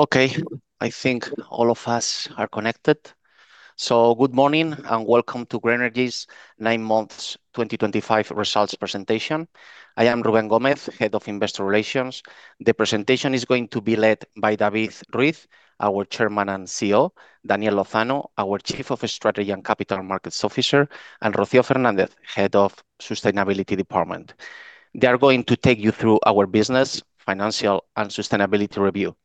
Okay, I think all of us are connected. Good morning and welcome to Grenergy's 9 Months 2025 results presentation. I am Rubén Gómez, Head of Investor Relations. The presentation is going to be led by David Ruiz, our Chairman and CEO, Daniel Lozano, our Chief of Strategy and Capital Markets Officer, and Rocío Fernández, Head of Sustainability Department. They are going to take you through our business, financial, and sustainability review.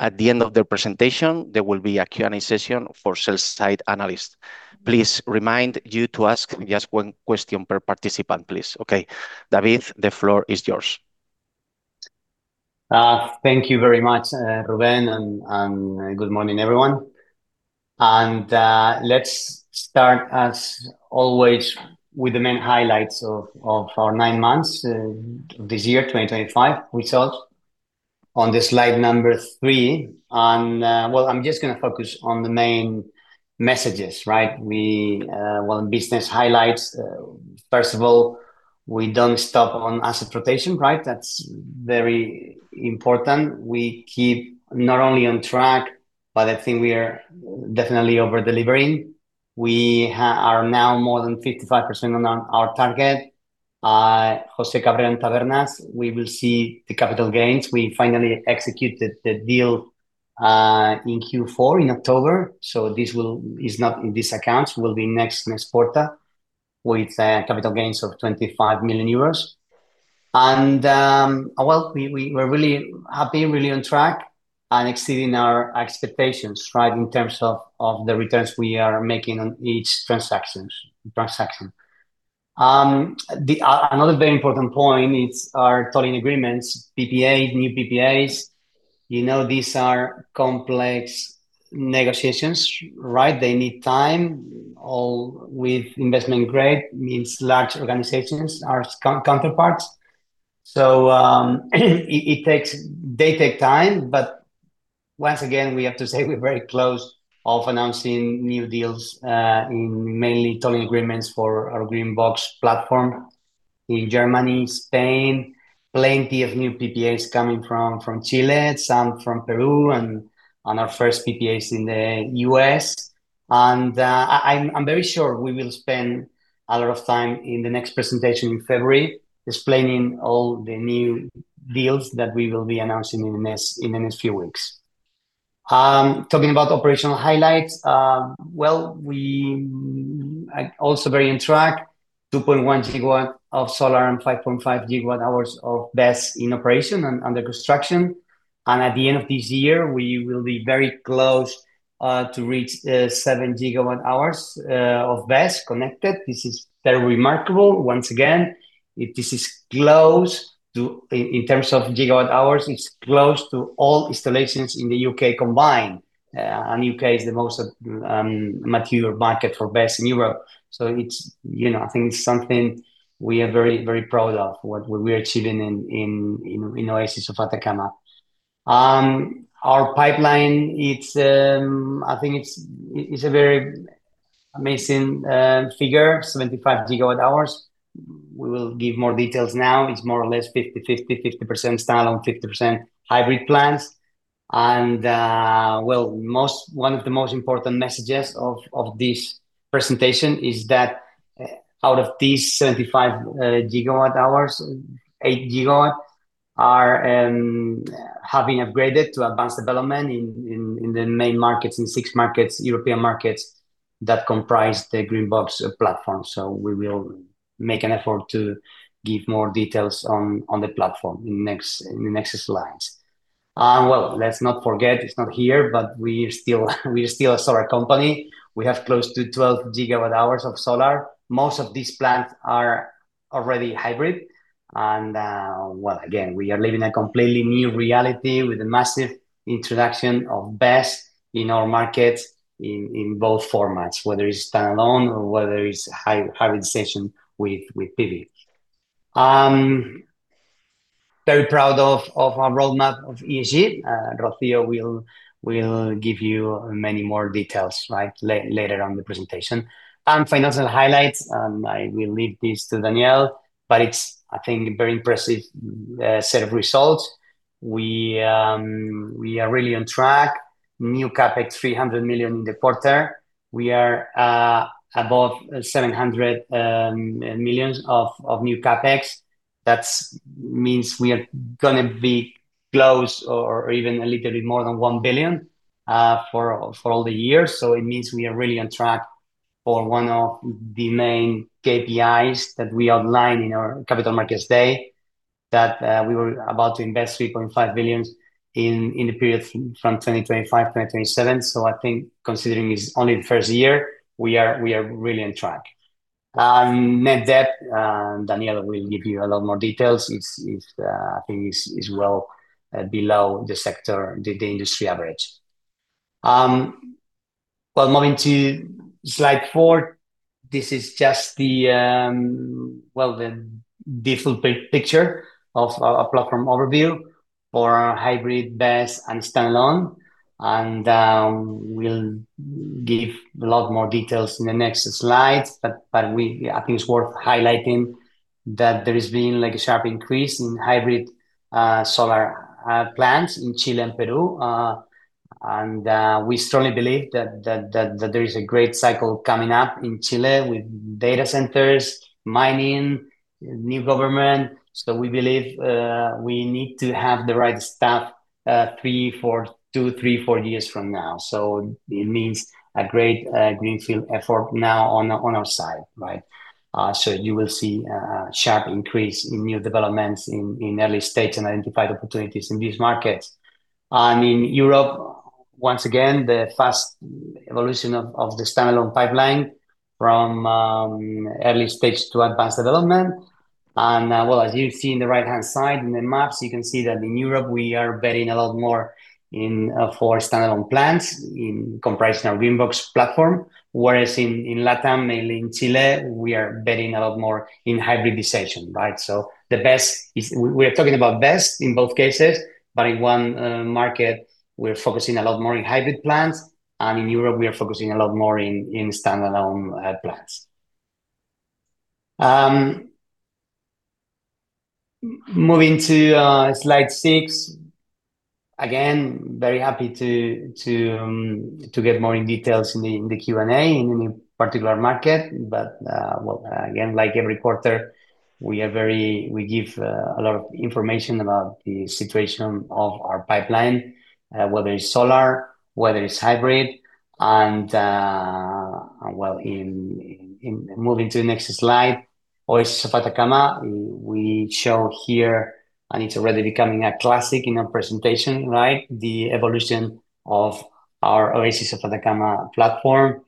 At the end of the presentation, there will be a Q&A session for sell-side analysts. Please remind you to ask just one question per participant, please. Okay, David, the floor is yours. Thank you very much, Rubén, and good morning, everyone. Let's start, as always, with the main highlights of our 9 months this year, 2025 results, on slide number three. I'm just going to focus on the main messages, right? Business highlights. First of all, we do not stop on asset rotation, right? That's very important. We keep not only on track, but I think we are definitely over-delivering. We are now more than 55% on our target. José Cabrera and Tabernas, we will see the capital gains. We finally executed the deal in Q4 in October. This will, it's not in these accounts, will be next mesporta with capital gains of 25 million euros. We're really happy, really on track, and exceeding our expectations, right, in terms of the returns we are making on each transaction. Another very important point is our tolling agreements, PPAs, new PPAs. You know, these are complex negotiations, right? They need time, all with investment grade, means large organizations are counterparts. It takes, they take time. Once again, we have to say we are very close to announcing new deals, mainly tolling agreements for our Greenbox platform in Germany, Spain, plenty of new PPAs coming from Chile, some from Peru, and our first PPAs in the U.S.. I am very sure we will spend a lot of time in the next presentation in February explaining all the new deals that we will be announcing in the next few weeks. Talking about operational highlights, we are also very on track. 2.1 GW of solar and 5.5 GW hours of BESS in operation and under construction. At the end of this year, we will be very close to reach 7 GW hours of BESS connected. This is very remarkable. Once again, this is close to, in terms of GW hours, it is close to all installations in the U.K. combined. The U.K. is the most mature market for BESS in Europe. You know, I think it is something we are very, very proud of, what we are achieving in Oasis de Atacama. Our pipeline, I think it is a very amazing figure, 75 GW hours. We will give more details now. It is more or less 50%-50%, 50% standalone, 50% hybrid plants. One of the most important messages of this presentation is that out of these 75 GW hours, 8 GW are having upgraded to advanced development in the main markets, in six markets, European markets that comprise the Greenbox platform. We will make an effort to give more details on the platform in the next slides. Let's not forget, it's not here, but we're still a solar company. We have close to 12 GW hours of solar. Most of these plants are already hybrid. Again, we are living a completely new reality with the massive introduction of BESS in our markets in both formats, whether it's standalone or whether it's hybridization with PV. Very proud of our roadmap of ESG. Rocío will give you many more details, right, later on in the presentation. Financial highlights, and I will leave this to Daniel, but it's, I think, a very impressive set of results. We are really on track. New CapEx, 300 million in the quarter. We are above 700 million of new CapEx. That means we are going to be close or even a little bit more than 1 billion for all the years. It means we are really on track for one of the main KPIs that we outlined in our Capital Markets Day that we were about to invest 3.5 billion in the period from 2025 to 2027. I think considering it's only the first year, we are really on track. Net debt, Daniel will give you a lot more details. I think it's well below the sector, the industry average. Moving to slide 4, this is just the full picture of our platform overview for hybrid, BESS, and standalone. We'll give a lot more details in the next slides. I think it's worth highlighting that there has been like a sharp increase in hybrid solar plants in Chile and Peru. We strongly believe that there is a great cycle coming up in Chile with data centers, mining, new government. We believe we need to have the right staff three, four, two, three, four years from now. It means a great greenfield effort now on our side, right? You will see a sharp increase in new developments in early stage and identified opportunities in these markets. In Europe, once again, the fast evolution of the standalone pipeline from early stage to advanced development. As you see in the right-hand side in the maps, you can see that in Europe, we are betting a lot more for standalone plants in comparison of Greenbox platform, whereas in LATAM, mainly in Chile, we are betting a lot more in hybridization, right? The best, we are talking about BESS in both cases, but in one market, we're focusing a lot more in hybrid plants. In Europe, we are focusing a lot more in standalone plants. Moving to slide six, again, very happy to get more details in the Q&A in any particular market. Like every quarter, we give a lot of information about the situation of our pipeline, whether it's solar, whether it's hybrid. Moving to the next slide, Oasis de Atacama, we show here, and it's already becoming a classic in our presentation, right? The evolution of our Oasis de Atacama platform,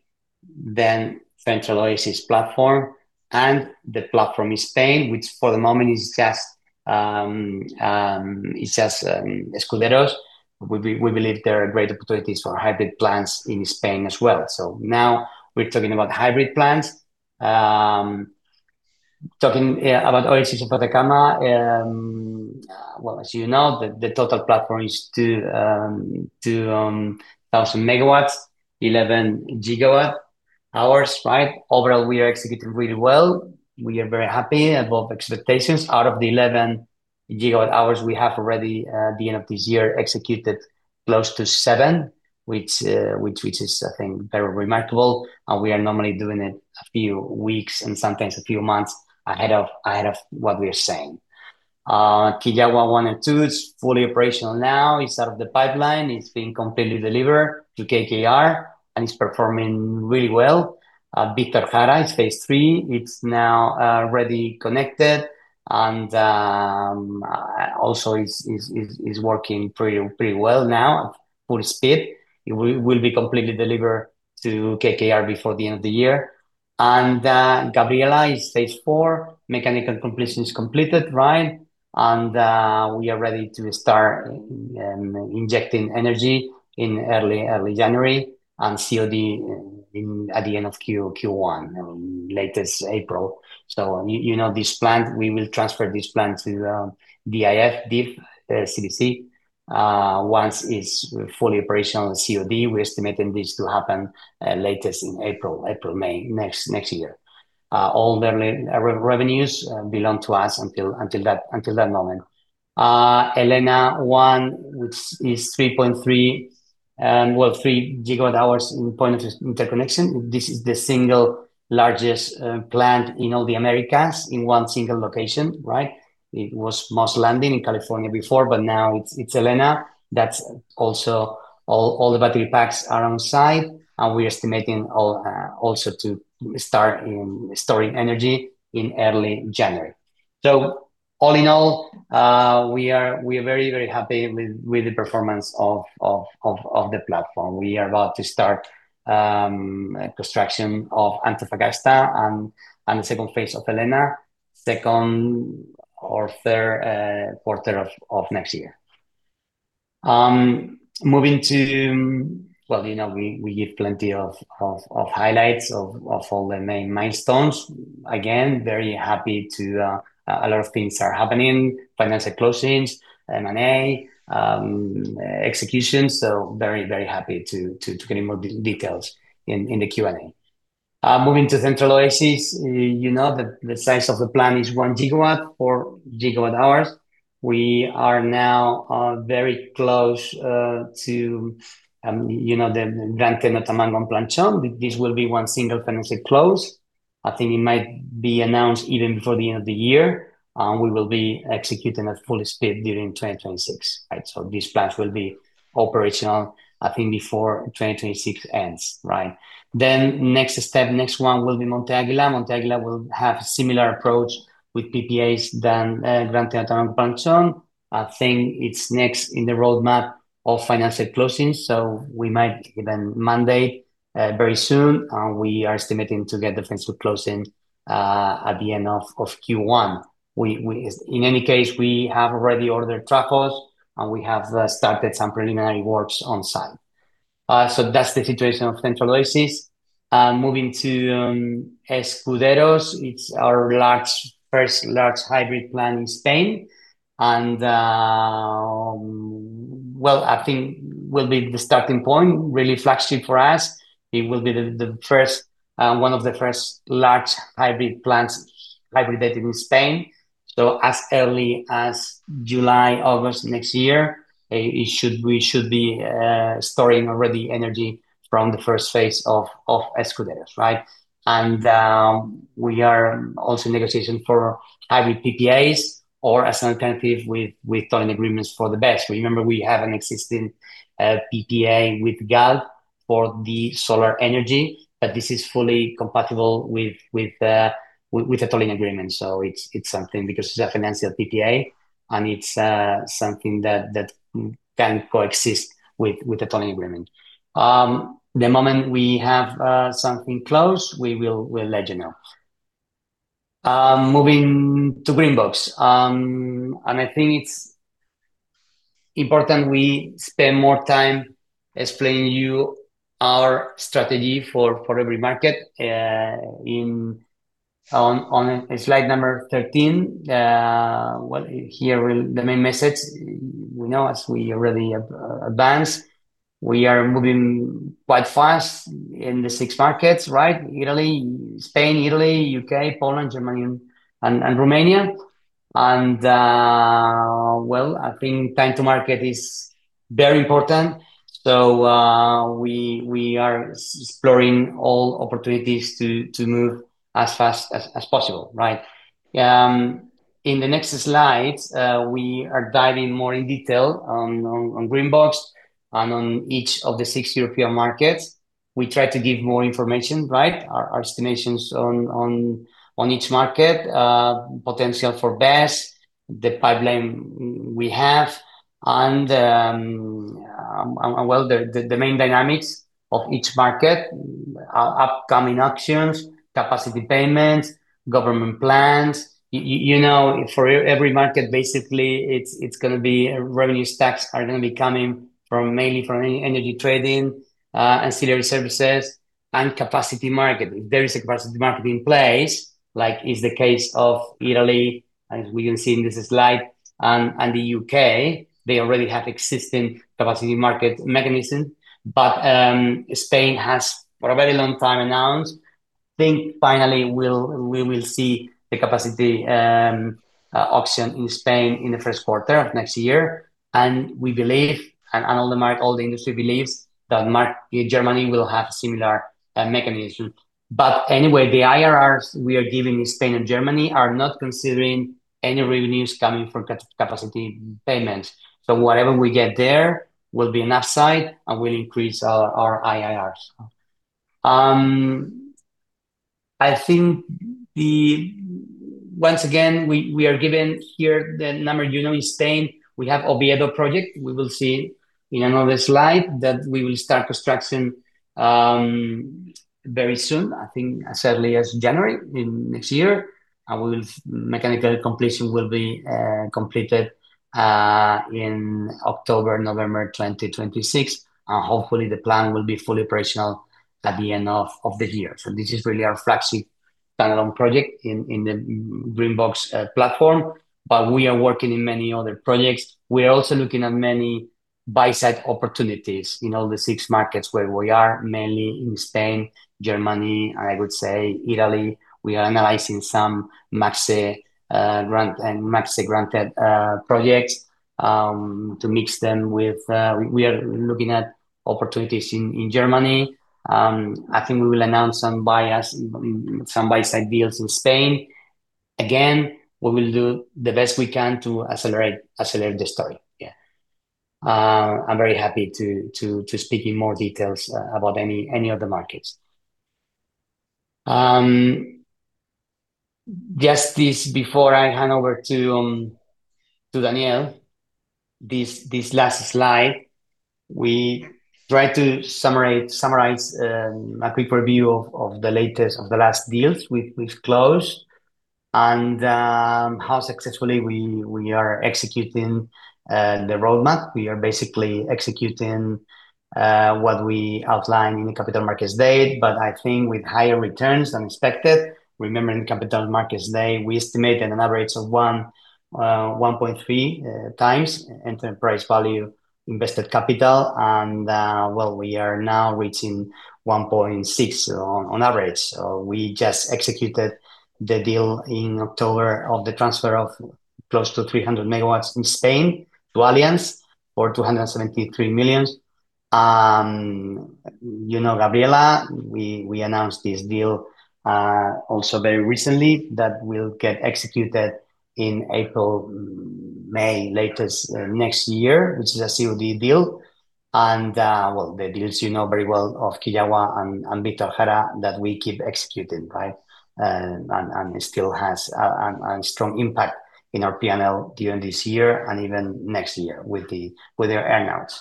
then Central Oasis platform, and the platform in Spain, which for the moment is just, it's just Escuderos. We believe there are great opportunities for hybrid plants in Spain as well. Now we're talking about hybrid plants. Talking about Oasis de Atacama, as you know, the total platform is 2,000 MW, 11 GW hours, right? Overall, we are executing really well. We are very happy, above expectations. Out of the 11 GW hours, we have already at the end of this year executed close to 7, which is, I think, very remarkable. We are normally doing it a few weeks and sometimes a few months ahead of what we are saying. Kiewa 1 and 2 is fully operational now. It is out of the pipeline. It is being completely delivered to KKR, and it is performing really well. Victor Jara is phase 3. It is now ready, connected, and also is working pretty well now at full speed. It will be completely delivered to KKR before the end of the year. Gabriela is phase 4. Mechanical completion is completed, right? We are ready to start injecting energy in early January. COD at the end of Q1, latest April. You know, this plant, we will transfer this plant to DIF, DIF, CVC. Once it's fully operational, COD, we're estimating this to happen latest in April, April, May next year. All their revenues belong to us until that moment. Elena 1, which is 3.3, well, 3 GW hours in point of interconnection. This is the single largest plant in all the Americas in one single location, right? It was Moss Landing in California before, but now it's Elena. Also, all the battery packs are on site. We're estimating also to start storing energy in early January. All in all, we are very, very happy with the performance of the platform. We are about to start construction of Antofagasta and the second phase of Elena, second or third quarter of next year. Moving to, you know, we give plenty of highlights of all the main milestones. Again, very happy to, a lot of things are happening, financial closings, M&A, executions. Very, very happy to get more details in the Q&A. Moving to Central Oasis, you know that the size of the plant is 1 GW 4 GW hours. We are now very close to, you know, the Gran Teno & Tamango. This will be one single financial close. I think it might be announced even before the end of the year. We will be executing at full speed during 2026, right? These plants will be operational, I think, before 2026 ends, right? Next step, next one will be Monte Águila. Monte Águila will have a similar approach with PPAs than Gran Teno & Tamango. I think it's next in the roadmap of financial closing. We might even mandate very soon. We are estimating to get the financial closing at the end of Q1. In any case, we have already ordered trackers, and we have started some preliminary works on site. That's the situation of Central Oasis. Moving to Escuderos. It's our first large hybrid plant in Spain. I think it will be the starting point, really flagship for us. It will be the first, one of the first large hybrid plants hybridated in Spain. As early as July, August next year, we should be storing already energy from the first phase of Escuderos, right? We are also in negotiation for hybrid PPAs or as an alternative with tolling agreements for the BESS. Remember, we have an existing PPA with [gal] for the solar energy, but this is fully compatible with a tolling agreement. It is something because it is a financial PPA, and it is something that can coexist with a tolling agreement. The moment we have something closed, we will let you know. Moving to Greenbox. I think it is important we spend more time explaining to you our strategy for every market. On slide number 13, here the main message, we know as we already advanced, we are moving quite fast in the six markets, right? Italy, Spain, Italy, U.K., Poland, Germany, and Romania. I think time to market is very important. We are exploring all opportunities to move as fast as possible, right? In the next slides, we are diving more in detail on Greenbox and on each of the six European markets. We try to give more information, right? Our estimations on each market, potential for BESS, the pipeline we have, and, well, the main dynamics of each market, upcoming auctions, capacity payments, government plans. You know, for every market, basically, it's going to be revenue stacks are going to be coming mainly from energy trading, ancillary services, and capacity marketing. If there is a capacity market in place, like is the case of Italy, as we can see in this slide, and the U.K., they already have existing capacity market mechanisms. Spain has for a very long time announced, I think finally we will see the capacity auction in Spain in the first quarter of next year. We believe, and all the industry believes, that Germany will have similar mechanisms. Anyway, the IRRs we are giving in Spain and Germany are not considering any revenues coming from capacity payments. So whatever we get there will be an upside and will increase our IRRs. I think once again, we are given here the number, you know, in Spain, we have Oviedo project. We will see in another slide that we will start construction very soon, I think as early as January next year. Mechanical completion will be completed in October, November 2026. Hopefully, the plan will be fully operational at the end of the year. This is really our flagship standalone project in the Greenbox platform. We are working in many other projects. We are also looking at many buy-side opportunities in all the six markets where we are, mainly in Spain, Germany, and I would say Italy. We are analyzing some [Maxi Granted] projects to mix them with we are looking at opportunities in Germany. I think we will announce some buy-side deals in Spain. Again, we will do the best we can to accelerate the story. Yeah. I'm very happy to speak in more details about any of the markets. Just before I hand over to Daniel, this last slide, we try to summarize a quick review of the latest of the last deals we've closed and how successfully we are executing the roadmap. We are basically executing what we outlined in the capital markets day, but I think with higher returns than expected. Remember, in capital markets day, we estimate an average of 1.3x enterprise value invested capital. And, well, we are now reaching 1.6 on average. We just executed the deal in October of the transfer of close to 300 MW in Spain to Allianz for 273 million. You know, Gabriela, we announced this deal also very recently that will get executed in April, May, latest next year, which is a COD deal. The deals you know very well of Kiewa and Victor Jara that we keep executing, right? It still has a strong impact in our P&L during this year and even next year with their earnouts.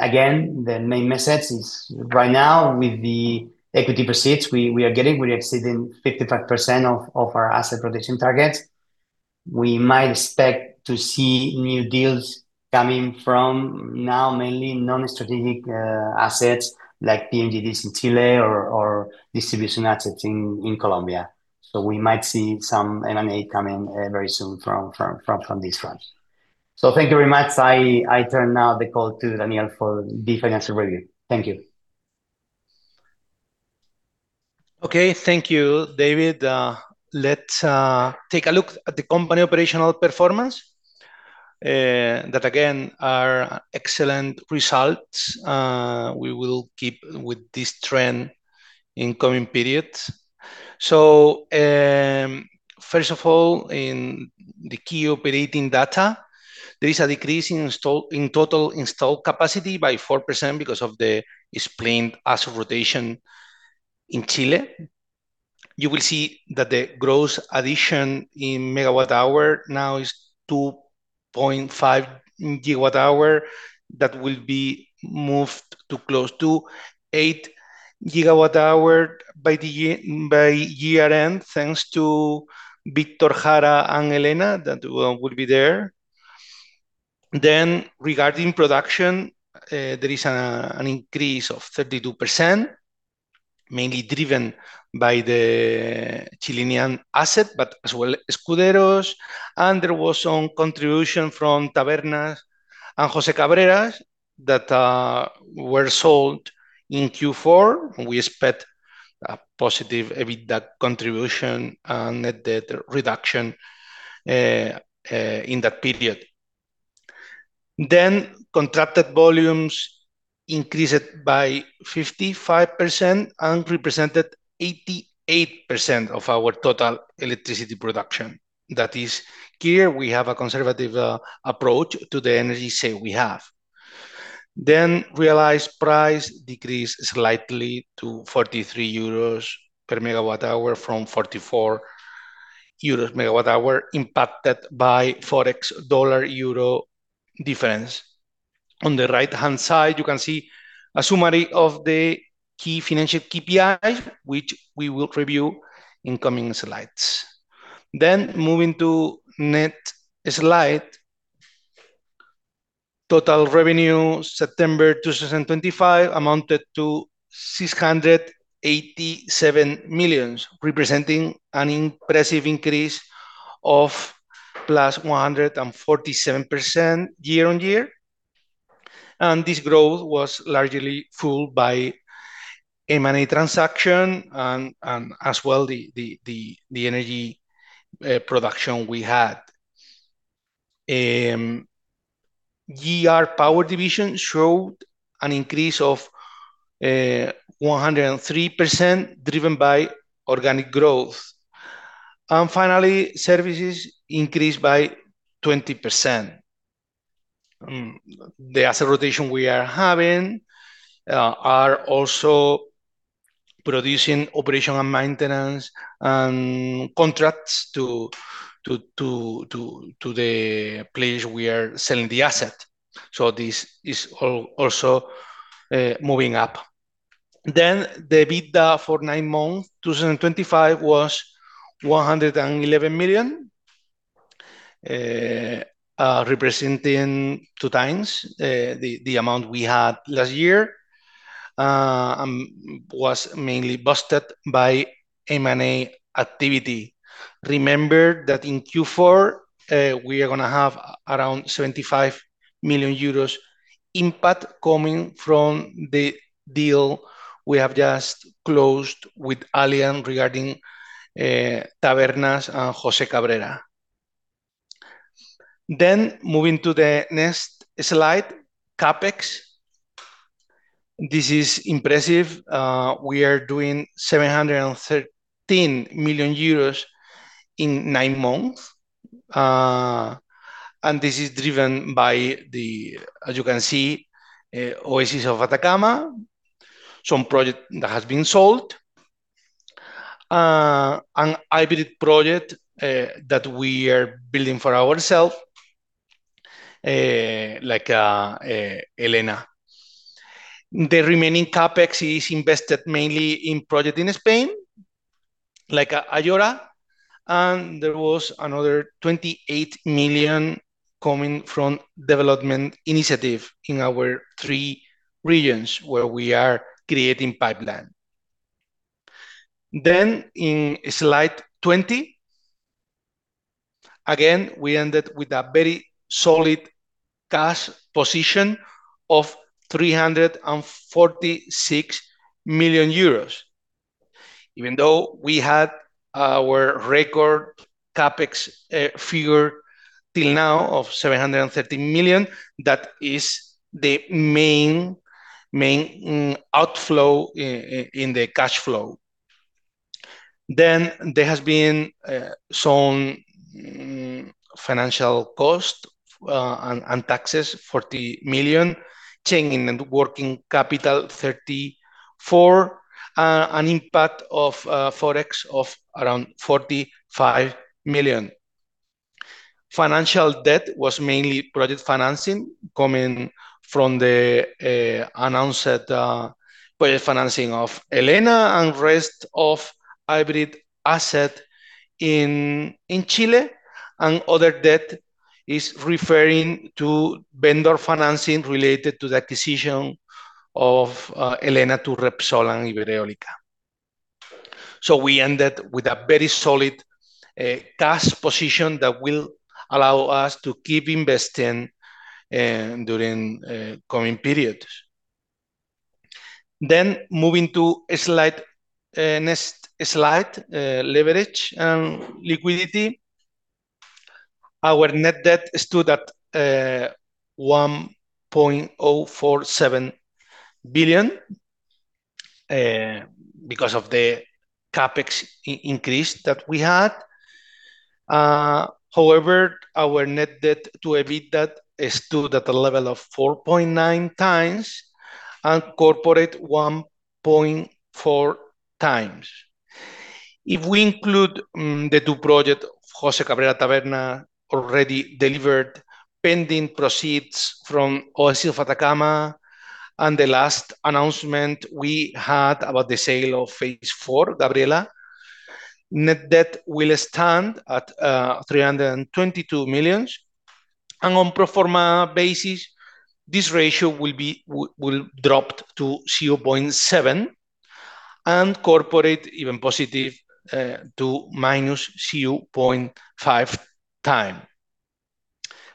Again, the main message is right now with the equity proceeds we are getting, we're exceeding 55% of our asset protection targets. We might expect to see new deals coming from now, mainly non-strategic assets like PMGDs in Chile or distribution assets in Colombia. We might see some M&A coming very soon from these funds. Thank you very much. I turn now the call to Daniel for the financial review. Thank you. Okay, thank you, David. Let's take a look at the company operational performance. That, again, are excellent results. We will keep with this trend in the coming period. First of all, in the key operating data, there is a decrease in total installed capacity by 4% because of the split asset rotation in Chile. You will see that the gross addition in megawatt hour now is 2.5 GW hour. That will be moved to close to 8 GW hour by year-end, thanks to Victor Jara and Elena that will be there. Regarding production, there is an increase of 32%, mainly driven by the Chilean asset, as well as Escuderos. There was some contribution from Tabernas and José Cabreras that were sold in Q4. We expect a positive EBITDA contribution and net debt reduction in that period. Contracted volumes increased by 55% and represented 88% of our total electricity production. That is clear. We have a conservative approach to the energy say we have. Realized price decreased slightly to 43 euros per megawatt hour from 44 euros per megawatt hour, impacted by Forex dollar-euro difference. On the right-hand side, you can see a summary of the key financial KPIs, which we will review in coming slides. Moving to next slide, total revenue September 2025 amounted to 687 million, representing an impressive increase of +147% year-on-year. This growth was largely fueled by M&A transaction and as well the energy production we had. GR Power Division showed an increase of 103% driven by organic growth. Finally, services increased by 20%. The asset rotation we are having are also producing operation and maintenance and contracts to the place we are selling the asset. This is also moving up. The EBITDA for nine months 2025 was 111 million, representing two times the amount we had last year and was mainly boosted by M&A activity. Remember that in Q4, we are going to have around 75 million euros impact coming from the deal we have just closed with Allianz regarding Tabernas and José Cabrera. Moving to the next slide, CapEx. This is impressive. We are doing 713 million euros in nine months. This is driven by, as you can see, Oasis de Atacama, some project that has been sold, an hybrid project that we are building for ourselves, like Elena. The remaining CapEx is invested mainly in projects in Spain, like Ayora. There was another 28 million coming from development initiative in our three regions where we are creating pipeline. In slide 20, again, we ended with a very solid cash position of 346 million euros. Even though we had our record CapEx figure till now of 713 million, that is the main outflow in the cash flow. There has been some financial cost and taxes, 40 million, changing networking capital, 34 million, and impact of Forex of around 45 million. Financial debt was mainly project financing coming from the announced project financing of Elena and rest of hybrid asset in Chile. Other debt is referring to vendor financing related to the acquisition of Elena to Repsol and Iberdrola. We ended with a very solid cash position that will allow us to keep investing during the coming periods. Moving to next slide, leverage and liquidity. Our net debt stood at 1.047 billion because of the CapEx increase that we had. However, our net debt to EBITDA stood at a level of 4.9 times and corporate 1.4 times. If we include the two projects, José Cabrera Tabernas already delivered pending proceeds from Oasis de Atacama. The last announcement we had about the sale of phase 4, Gabriela, net debt will stand at 322 million. On a pro forma basis, this ratio will drop to 0.7 and corporate even positive to minus 0.5x.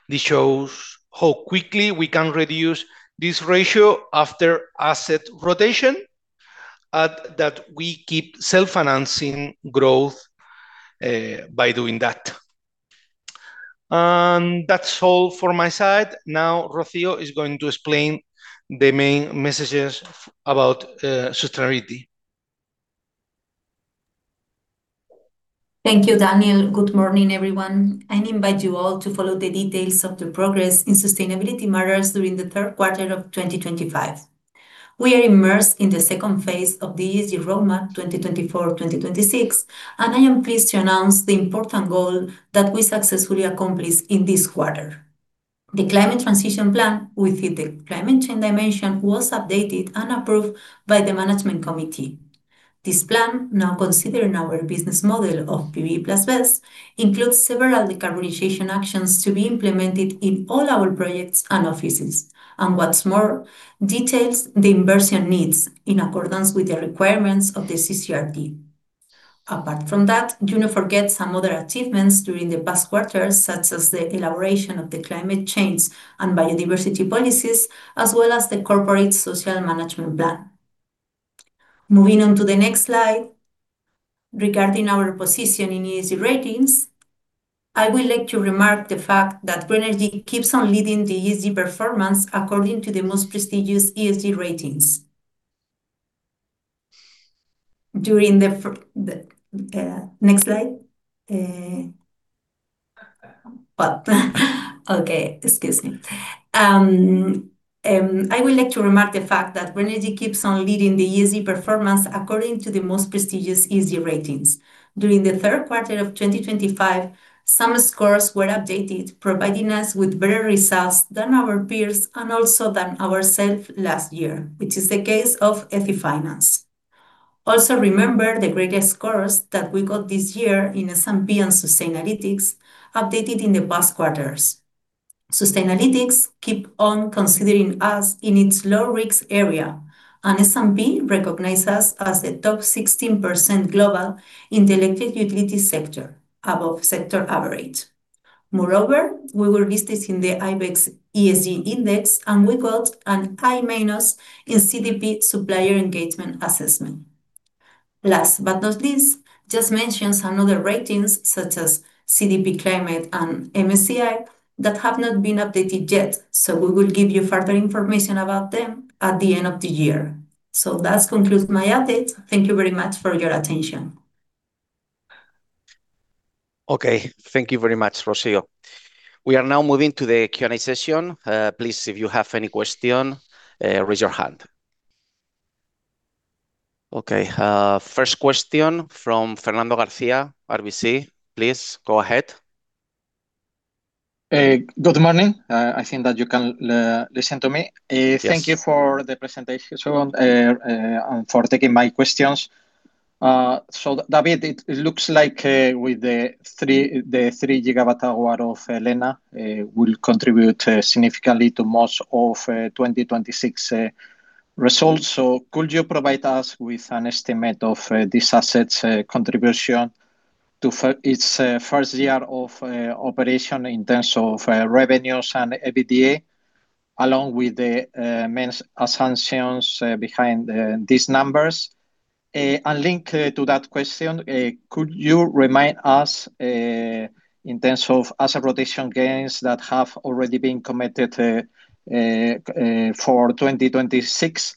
This shows how quickly we can reduce this ratio after asset rotation that we keep self-financing growth by doing that. That is all for my side. Now, Rocío is going to explain the main messages about sustainability. Thank you, Daniel. Good morning, everyone. I invite you all to follow the details of the progress in sustainability matters during the third quarter of 2025. We are immersed in the second phase of the ESG Roadmap 2024-2026, and I am pleased to announce the important goal that we successfully accomplished in this quarter. The climate transition plan within the climate change dimension was updated and approved by the management committee. This plan, now considering our business model of PB++, includes several decarbonization actions to be implemented in all our projects and offices. What is more, it details the inversion needs in accordance with the requirements of the CCRP. Apart from that, do not forget some other achievements during the past quarters, such as the elaboration of the climate change and biodiversity policies, as well as the corporate social management plan. Moving on to the next slide, regarding our position in ESG ratings, I would like to remark the fact that Grenergy keeps on leading the ESG performance according to the most prestigious ESG ratings. Okay, excuse me. I would like to remark the fact that Grenergy keeps on leading the ESG performance according to the most prestigious ESG ratings. During the third quarter of 2025, some scores were updated, providing us with better results than our peers and also than ourselves last year, which is the case of Effy Finance. Also, remember the greatest scores that we got this year in S&P and Sustainalytics updated in the past quarters. Sustainalytics keeps on considering us in its low-risk area, and S&P recognizes us as the top 16% global in the electric utility sector, above sector average. Moreover, we were listed in the IBEX ESG index, and we got an I- in CDP Supplier Engagement Assessment. Last but not least, just mentioned some other ratings such as CDP Climate and MSCI that have not been updated yet, so we will give you further information about them at the end of the year. That concludes my update. Thank you very much for your attention. Thank you very much, Rocío. We are now moving to the Q&A session. Please, if you have any question, raise your hand. First question from Fernando García, RBC. Please go ahead. Good morning. I think that you can listen to me. Thank you for the presentation and for taking my questions. David, it looks like with the 3 GW hour of Elena, we will contribute significantly to most of 2026 results. Could you provide us with an estimate of this asset's contribution to its first year of operation in terms of revenues and EBITDA, along with the main assumptions behind these numbers? Linked to that question, could you remind us in terms of asset rotation gains that have already been committed for 2026?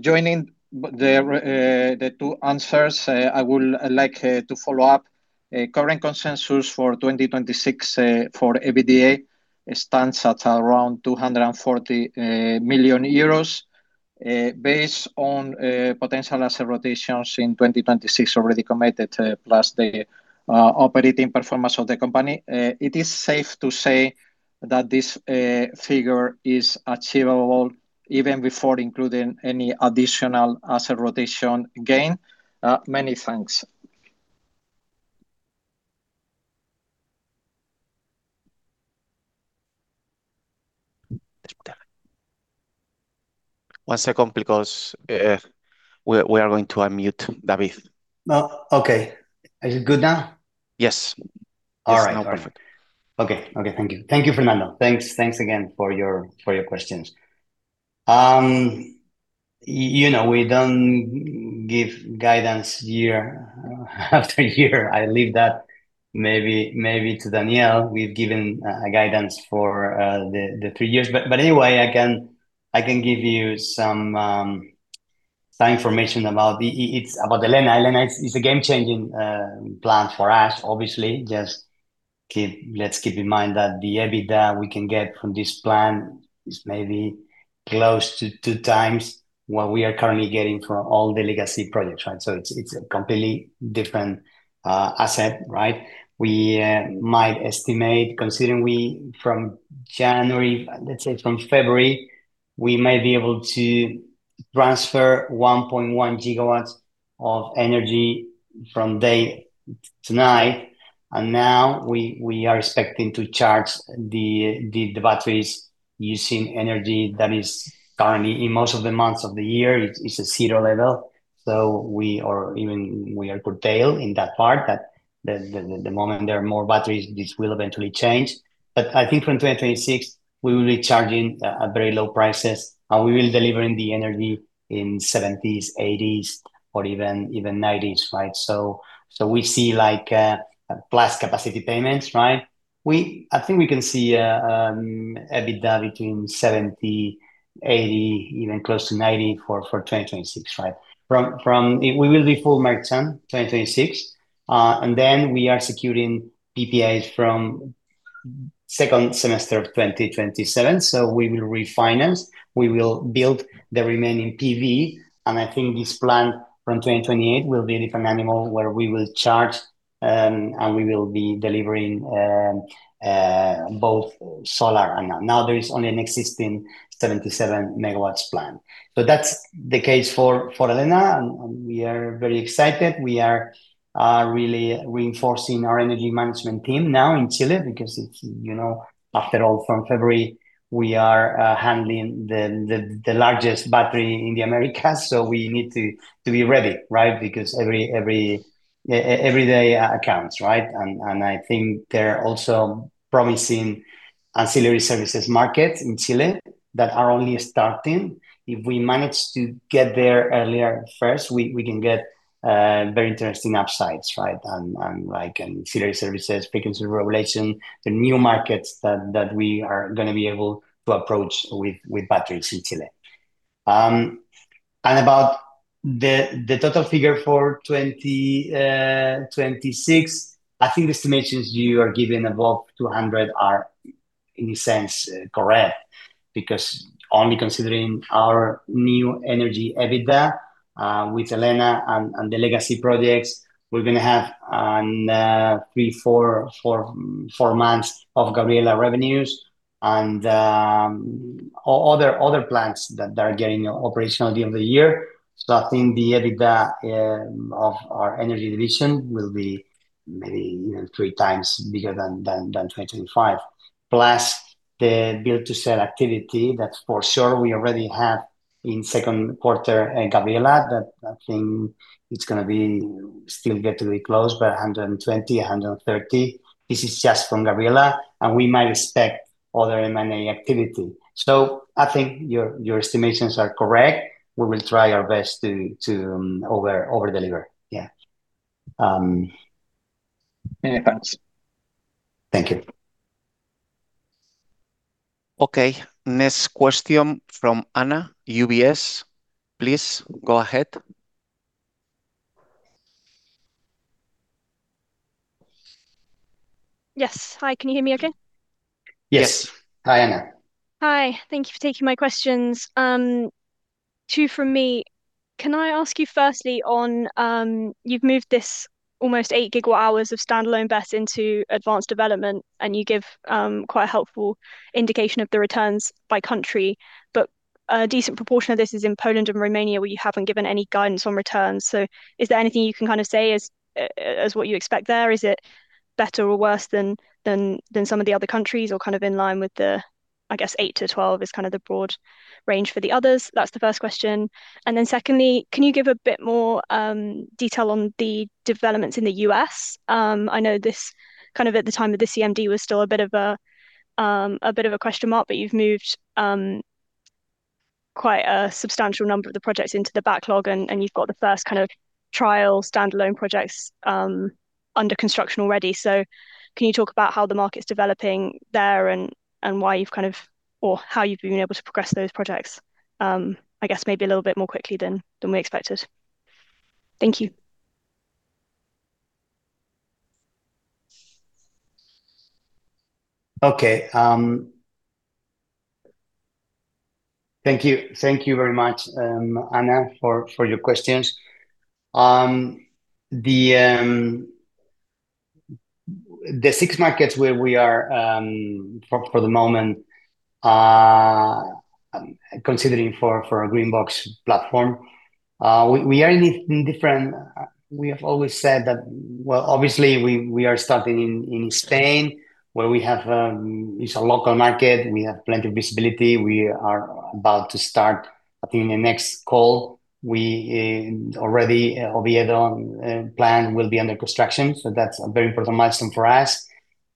Joining the two answers, I would like to follow up. Current consensus for 2026 for EBITDA stands at around 240 million euros based on potential asset rotations in 2026 already committed, plus the operating performance of the company. It is safe to say that this figure is achievable even before including any additional asset rotation gain. Many thanks. One second because we are going to unmute David. Okay. Is it good now? Yes. All right. Now perfect. Okay. Thank you. Thank you, Fernando. Thanks again for your questions. We don't give guidance year after year. I leave that maybe to Daniel. We've given guidance for the three years. Anyway, I can give you some information about Elena. Elena is a game-changing plan for us, obviously. Just let's keep in mind that the EBITDA we can get from this plan is maybe close to two times what we are currently getting for all the legacy projects, right? It is a completely different asset, right? We might estimate, considering from January, let's say from February, we may be able to transfer 1.1 GW of energy from day to night. Now we are expecting to charge the batteries using energy that is currently in most of the months of the year. It is a zero level. We are even curtailed in that part that the moment there are more batteries, this will eventually change. I think from 2026, we will be charging at very low prices, and we will deliver the energy in 70s, 80s, or even 90s, right? We see plus capacity payments, right? I think we can see EBITDA between 70-80, even close to 90 for 2026, right? We will be full merchant 2026. We are securing PPAs from second semester of 2027. We will refinance. We will build the remaining PV. I think this plan from 2028 will be a different animal where we will charge and we will be delivering both solar and now there is only an existing 77 MW plan. That's the case for Elena, and we are very excited. We are really reinforcing our energy management team now in Chile because after all, from February, we are handling the largest battery in America. We need to be ready, right? Because every day counts, right? I think there are also promising ancillary services markets in Chile that are only starting. If we manage to get there earlier first, we can get very interesting upsides, right? Ancillary services, pre-consumer regulation, the new markets that we are going to be able to approach with batteries in Chile. About the total figure for 2026, I think the estimations you are giving above 200 are in a sense correct because only considering our new energy EBITDA with Elena and the legacy projects, we are going to have three or four months of Gabriela revenues and other plants that are getting operational at the end of the year. I think the EBITDA of our energy division will be maybe three times bigger than 2025. Plus the build-to-sell activity that for sure we already have in second quarter at Gabriela, that I think it's going to be still get to be close, but 120-130. This is just from Gabriela, and we might expect other M&A activity. I think your estimations are correct. We will try our best to overdeliver. Yeah. Many thanks. Thank you. Okay. Next question from [Anna], UBS. Please go ahead. Yes. Hi. Can you hear me okay? Yes. Hi, [Anna]. Hi. Thank you for taking my questions. Two from me. Can I ask you firstly on you've moved this almost 8 GW hours of standalone BESS into advanced development, and you give quite a helpful indication of the returns by country, but a decent proportion of this is in Poland and Romania, where you haven't given any guidance on returns. Is there anything you can kind of say as what you expect there? Is it better or worse than some of the other countries or kind of in line with the, I guess, 8-12 is kind of the broad range for the others? That's the first question. Secondly, can you give a bit more detail on the developments in the U.S.? I know this kind of at the time of the CMD was still a bit of a question mark, but you've moved quite a substantial number of the projects into the backlog, and you've got the first kind of trial standalone projects under construction already. Can you talk about how the market's developing there and why you've kind of or how you've been able to progress those projects, I guess maybe a little bit more quickly than we expected? Thank you. Okay. Thank you very much, Anna, for your questions. The six markets where we are for the moment considering for a Greenbox platform, we are in different, we have always said that, well, obviously, we are starting in Spain, where we have a local market. We have plenty of visibility. We are about to start, I think, in the next call. We already, albeit on plan, will be under construction. That is a very important milestone for us.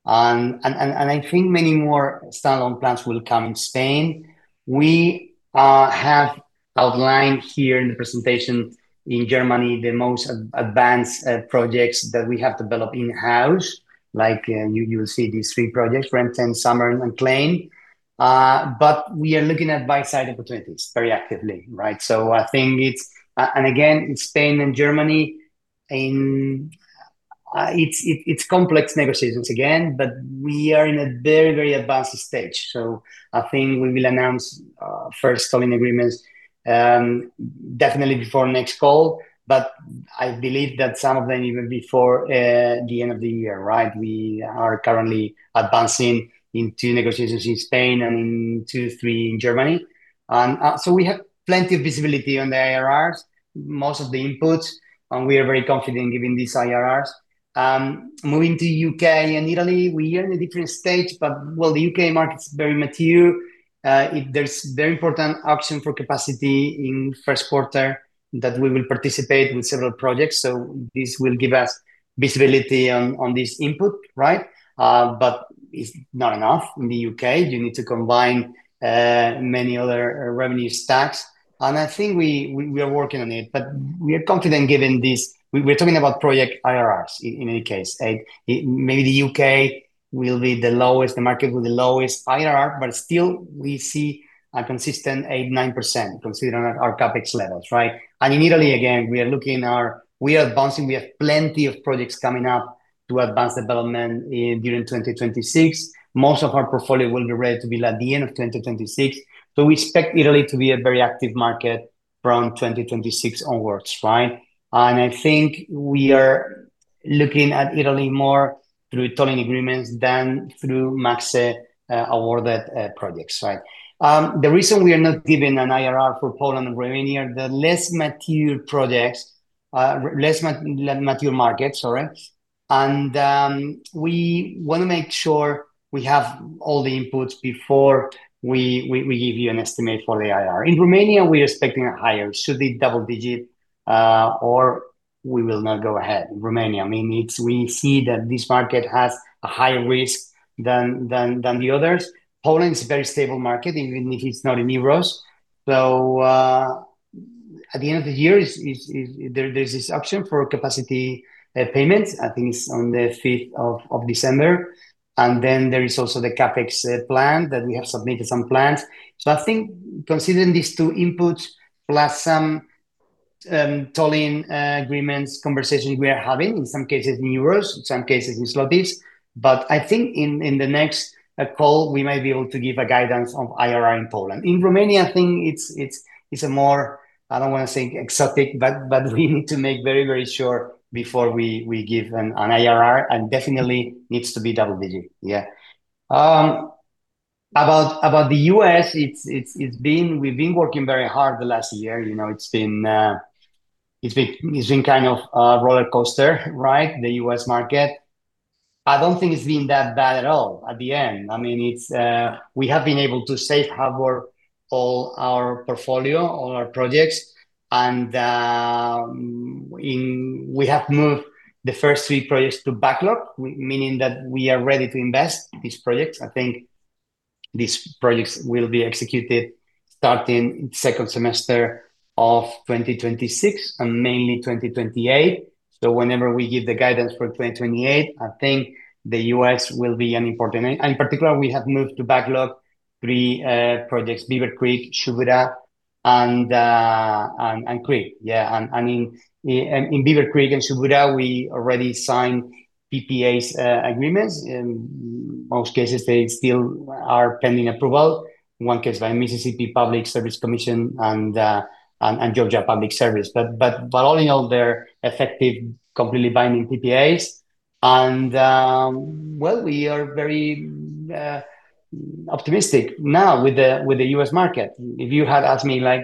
I think many more standalone plants will come in Spain. We have outlined here in the presentation in Germany the most advanced projects that we have developed in-house. You will see these three projects, [Renton, Summer, and Klein]. We are looking at buy-side opportunities very actively, right? I think it is, and again, in Spain and Germany, it is complex negotiations again, but we are in a very, very advanced stage. I think we will announce first tolling agreements definitely before next call, but I believe that some of them even before the end of the year, right? We are currently advancing into negotiations in Spain and in two, three in Germany. We have plenty of visibility on the IRRs, most of the inputs, and we are very confident in giving these IRRs. Moving to U.K. and Italy, we are in a different stage, but while the U.K. market is very mature, there is very important action for capacity in first quarter that we will participate with several projects. This will give us visibility on this input, right? It is not enough in the U.K. You need to combine many other revenue stacks. I think we are working on it, but we are confident giving these. We are talking about project IRRs in any case. Maybe the U.K. will be the lowest, the market with the lowest IRR, but still we see a consistent 8%-9% considering our CapEx levels, right? In Italy, again, we are looking at our we are advancing. We have plenty of projects coming up to advanced development during 2026. Most of our portfolio will be ready to build at the end of 2026. We expect Italy to be a very active market from 2026 onwards, right? I think we are looking at Italy more through tolling agreements than through MACSE awarded projects, right? The reason we are not giving an IRR for Poland and Romania are the less mature projects, less mature markets, sorry. We want to make sure we have all the inputs before we give you an estimate for the IRR. In Romania, we are expecting a higher. Should it be double-digit or we will not go ahead in Romania. I mean, we see that this market has a higher risk than the others. Poland is a very stable market, even if it's not in euros. At the end of the year, there's this option for capacity payments. I think it's on the 5th of December. There is also the CapEx plan that we have submitted some plans. I think considering these two inputs plus some tolling agreements conversations we are having, in some cases in euros, in some cases in zlotys, I think in the next call, we might be able to give a guidance on IRR in Poland. In Romania, I think it's a more, I don't want to say exotic, but we need to make very, very sure before we give an IRR, and it definitely needs to be double-digit. Yeah. About the U.S., we've been working very hard the last year. It's been kind of a roller coaster, right? The U.S. market. I don't think it's been that bad at all at the end. I mean, we have been able to safe-hover all our portfolio, all our projects. We have moved the first three projects to backlog, meaning that we are ready to invest these projects. I think these projects will be executed starting second semester of 2026 and mainly 2028. Whenever we give the guidance for 2028, I think the U.S. will be an important and in particular, we have moved to backlog three projects, Beaver Creek, Shubura, and Creek. Yeah. In Beaver Creek and Shubura, we already signed PPAs agreements. In most cases, they still are pending approval. One case by Mississippi Public Service Commission and Georgia Public Service. All in all, they're effective, completely binding PPAs. We are very optimistic now with the U.S. market. If you had asked me a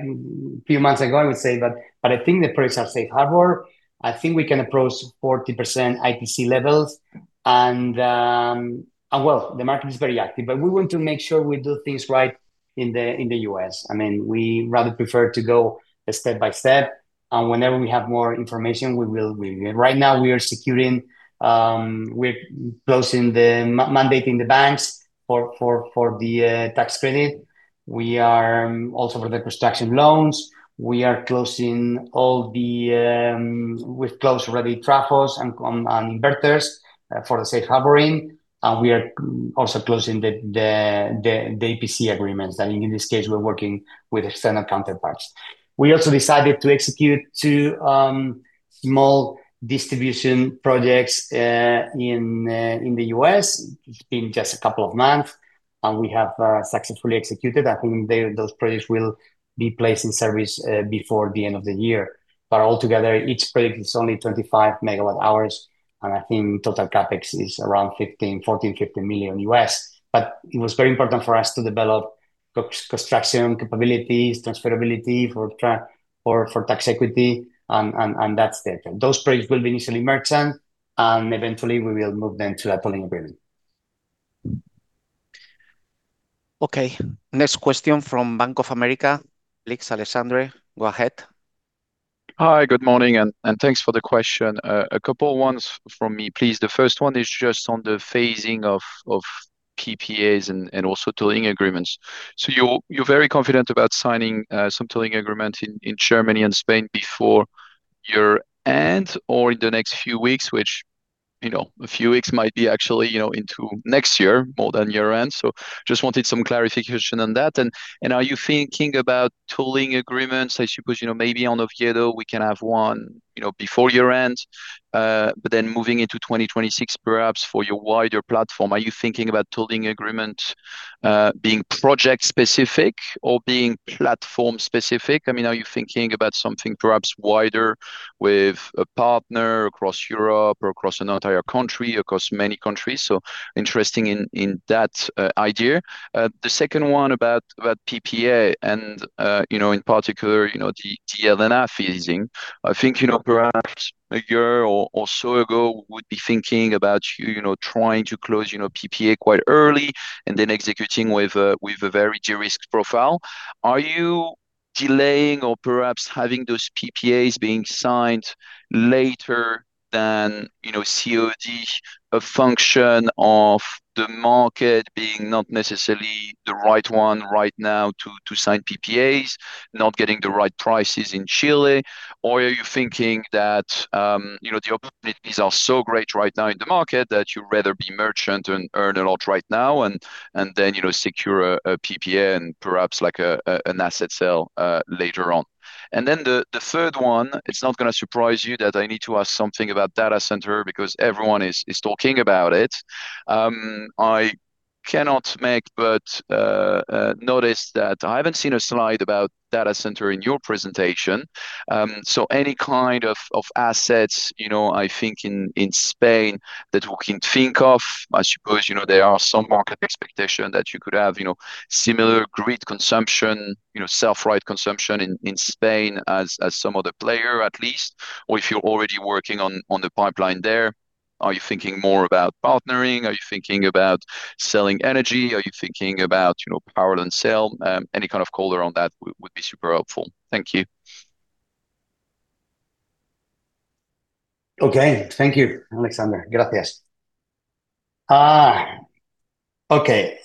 few months ago, I would say, "I think the projects are safe-hover. I think we can approach 40% IPC levels." The market is very active, but we want to make sure we do things right in the U.S. I mean, we rather prefer to go step by step. Whenever we have more information, we will. Right now, we are securing, we're closing, mandating the banks for the tax credit. We are also for the construction loans. We are closing all the, we've closed already trafos and inverters for the safe-hovering. We are also closing the EPC agreements. In this case, we're working with external counterparts. We also decided to execute two small distribution projects in the U.S. It's been just a couple of months, and we have successfully executed. I think those projects will be placed in service before the end of the year. Altogether, each project is only 25 megawatt hours. I think total CapEx is around $14 million-$15 million. It was very important for us to develop construction capabilities, transferability for tax equity, and that's it. Those projects will be initially merchant, and eventually, we will move them to a tolling agreement. Okay. Next question from Bank of America. [Blake Alexander], go ahead. Hi, good morning, and thanks for the question. A couple of ones from me, please. The first one is just on the phasing of PPAs and also tolling agreements. You're very confident about signing some tolling agreements in Germany and Spain before year-end or in the next few weeks, which a few weeks might be actually into next year, more than year-end. I just wanted some clarification on that. Are you thinking about tolling agreements? I suppose maybe on Oviedo, we can have one before year-end, but then moving into 2026, perhaps for your wider platform. Are you thinking about tolling agreements being project-specific or being platform-specific? I mean, are you thinking about something perhaps wider with a partner across Europe or across an entire country, across many countries? Interesting in that idea. The second one about PPA and in particular, the [L&R] phasing, I think perhaps a year or so ago, we would be thinking about trying to close PPA quite early and then executing with a very de-risked profile. Are you delaying or perhaps having those PPAs being signed later than COD, a function of the market being not necessarily the right one right now to sign PPAs, not getting the right prices in Chile? Are you thinking that the opportunities are so great right now in the market that you'd rather be merchant and earn a lot right now and then secure a PPA and perhaps an asset sale later on? The third one, it's not going to surprise you that I need to ask something about data center because everyone is talking about it. I cannot make but notice that I haven't seen a slide about data center in your presentation. Any kind of assets, I think, in Spain that we can think of, I suppose there are some market expectations that you could have similar grid consumption, self-ride consumption in Spain as some other player, at least. Or if you're already working on the pipeline there, are you thinking more about partnering? Are you thinking about selling energy? Are you thinking about power and sale? Any kind of color on that would be super helpful. Thank you. Okay. Thank you, [Alexander]. Gracias. Okay.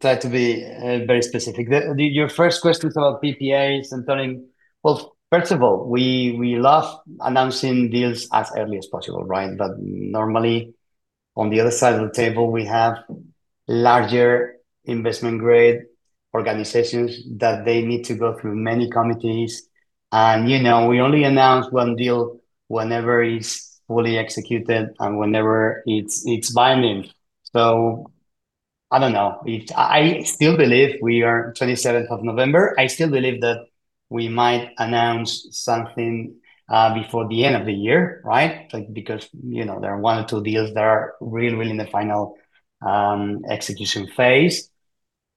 Try to be very specific. Your first question is about PPAs and tolling. First of all, we love announcing deals as early as possible, right? Normally, on the other side of the table, we have larger investment-grade organizations that need to go through many committees. We only announce one deal whenever it's fully executed and whenever it's binding. I don't know. I still believe we are 27th of November. I still believe that we might announce something before the end of the year, right? Because there are one or two deals that are really, really in the final execution phase.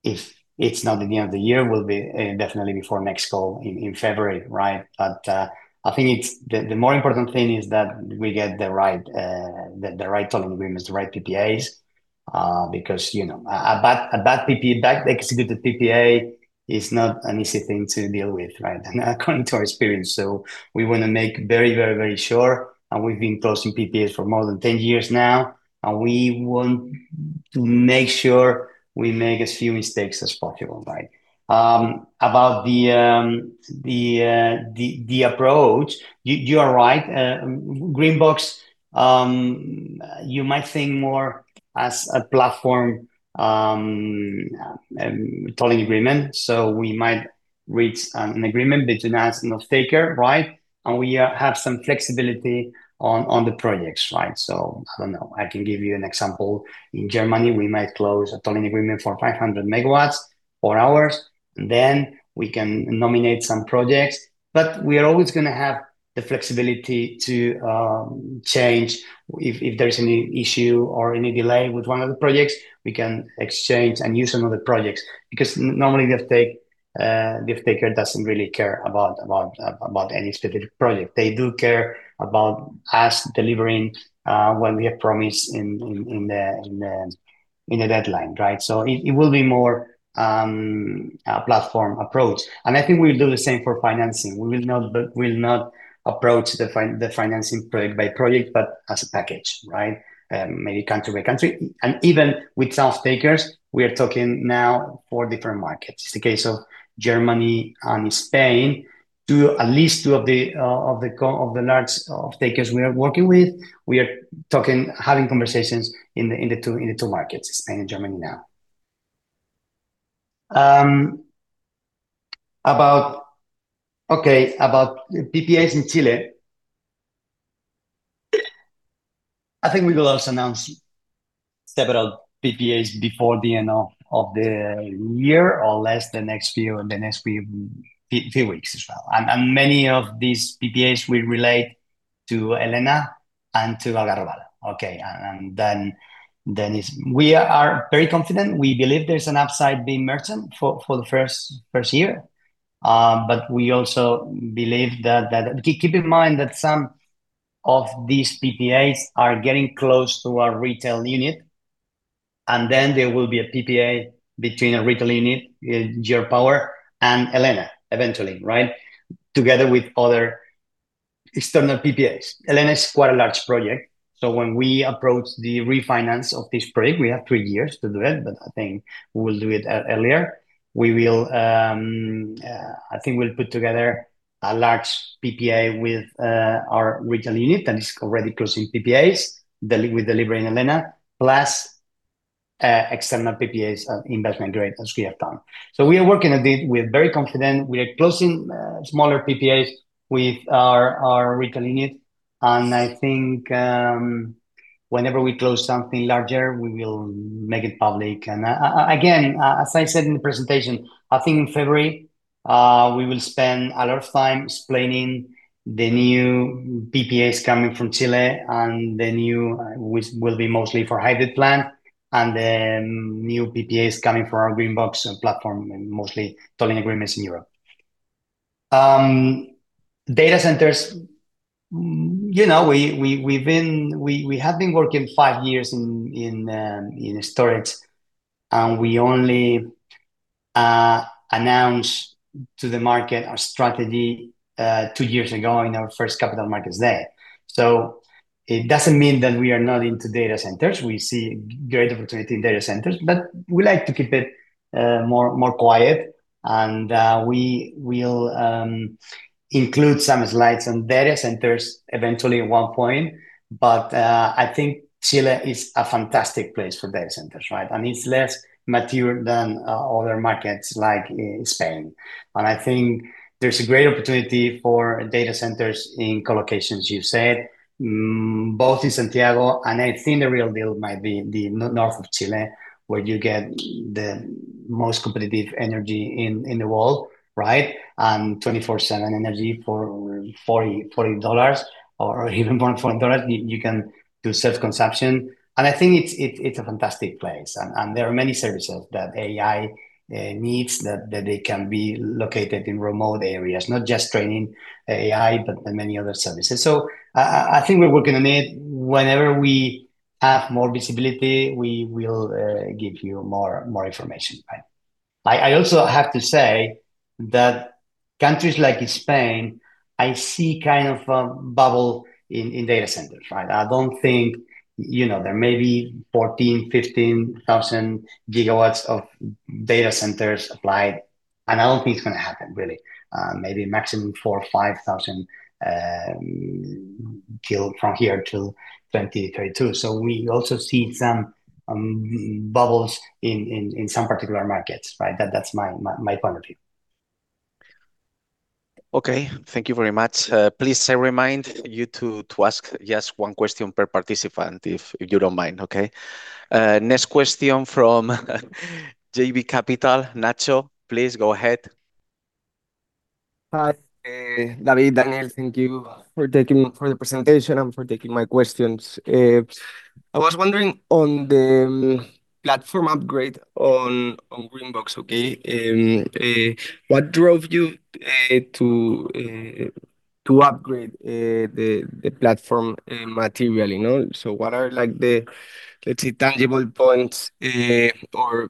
If it's not the end of the year, it will be definitely before next call in February, right? I think the more important thing is that we get the right tolling agreements, the right PPAs, because a bad executed PPA is not an easy thing to deal with, right? According to our experience, we want to make very, very, very sure. We've been closing PPAs for more than 10 years now. We want to make sure we make as few mistakes as possible, right? About the approach, you are right. Greenbox, you might think more as a platform tolling agreement. We might reach an agreement between us and the staker, right? We have some flexibility on the projects, right? I don't know. I can give you an example. In Germany, we might close a tolling agreement for 500 MWt hours. Then we can nominate some projects. We are always going to have the flexibility to change if there's any issue or any delay with one of the projects. We can exchange and use another project because normally, the staker doesn't really care about any specific project. They do care about us delivering when we have promised in the deadline, right? It will be more a platform approach. I think we'll do the same for financing. We will not approach the financing project by project, but as a package, right? Maybe country by country. Even with some stakers, we are talking now four different markets. It is the case of Germany and Spain. At least two of the large stakers we are working with, we are having conversations in the two markets, Spain and Germany now. Okay. About PPAs in Chile, I think we will also announce several PPAs before the end of the year or in the next few weeks as well. Many of these PPAs will relate to Elena and to Algarrobal. Okay. We are very confident. We believe there is an upside being merchant for the first year. We also believe that, keep in mind, some of these PPAs are getting close to our retail unit. There will be a PPA between a retail unit, your power, and Elena, eventually, right? Together with other external PPAs. Elena is quite a large project. When we approach the refinance of this project, we have three years to do it, but I think we will do it earlier. I think we'll put together a large PPA with our retail unit that is already closing PPAs with delivery in Elena, plus external PPAs at investment grade as we have done. We are working with very confident. We are closing smaller PPAs with our retail unit. I think whenever we close something larger, we will make it public. As I said in the presentation, I think in February, we will spend a lot of time explaining the new PPAs coming from Chile and the new will be mostly for hybrid plant and the new PPAs coming from our Greenbox platform, mostly tolling agreements in Europe. Data centers, we have been working five years in storage, and we only announced to the market our strategy two years ago in our first capital markets day. It does not mean that we are not into data centers. We see great opportunity in data centers, but we like to keep it more quiet. We will include some slides on data centers eventually at one point. I think Chile is a fantastic place for data centers, right? It is less mature than other markets like Spain. I think there is a great opportunity for data centers in colocations, you said, both in Santiago, and I think the real deal might be the north of Chile where you get the most competitive energy in the world, right? 24/7 energy for $40 or even more than $40, you can do self-consumption. I think it is a fantastic place. There are many services that AI needs that they can be located in remote areas, not just training AI, but many other services. I think we're working on it. Whenever we have more visibility, we will give you more information, right? I also have to say that countries like Spain, I see kind of a bubble in data centers, right? I don't think there may be 14,000-15,000 GW of data centers applied. I don't think it's going to happen, really. Maybe maximum 4,000-5,000 till from here to 2032. We also see some bubbles in some particular markets, right? That's my point of view. Thank you very much. Please remind you to ask, yes, one question per participant, if you don't mind, okay? Next question from JB Capital, [Nacho]. Please go ahead. Hi, David. Daniel, thank you for the presentation and for taking my questions. I was wondering on the platform upgrade on Greenbox, okay? What drove you to upgrade the platform materially? What are the, let's say, tangible points or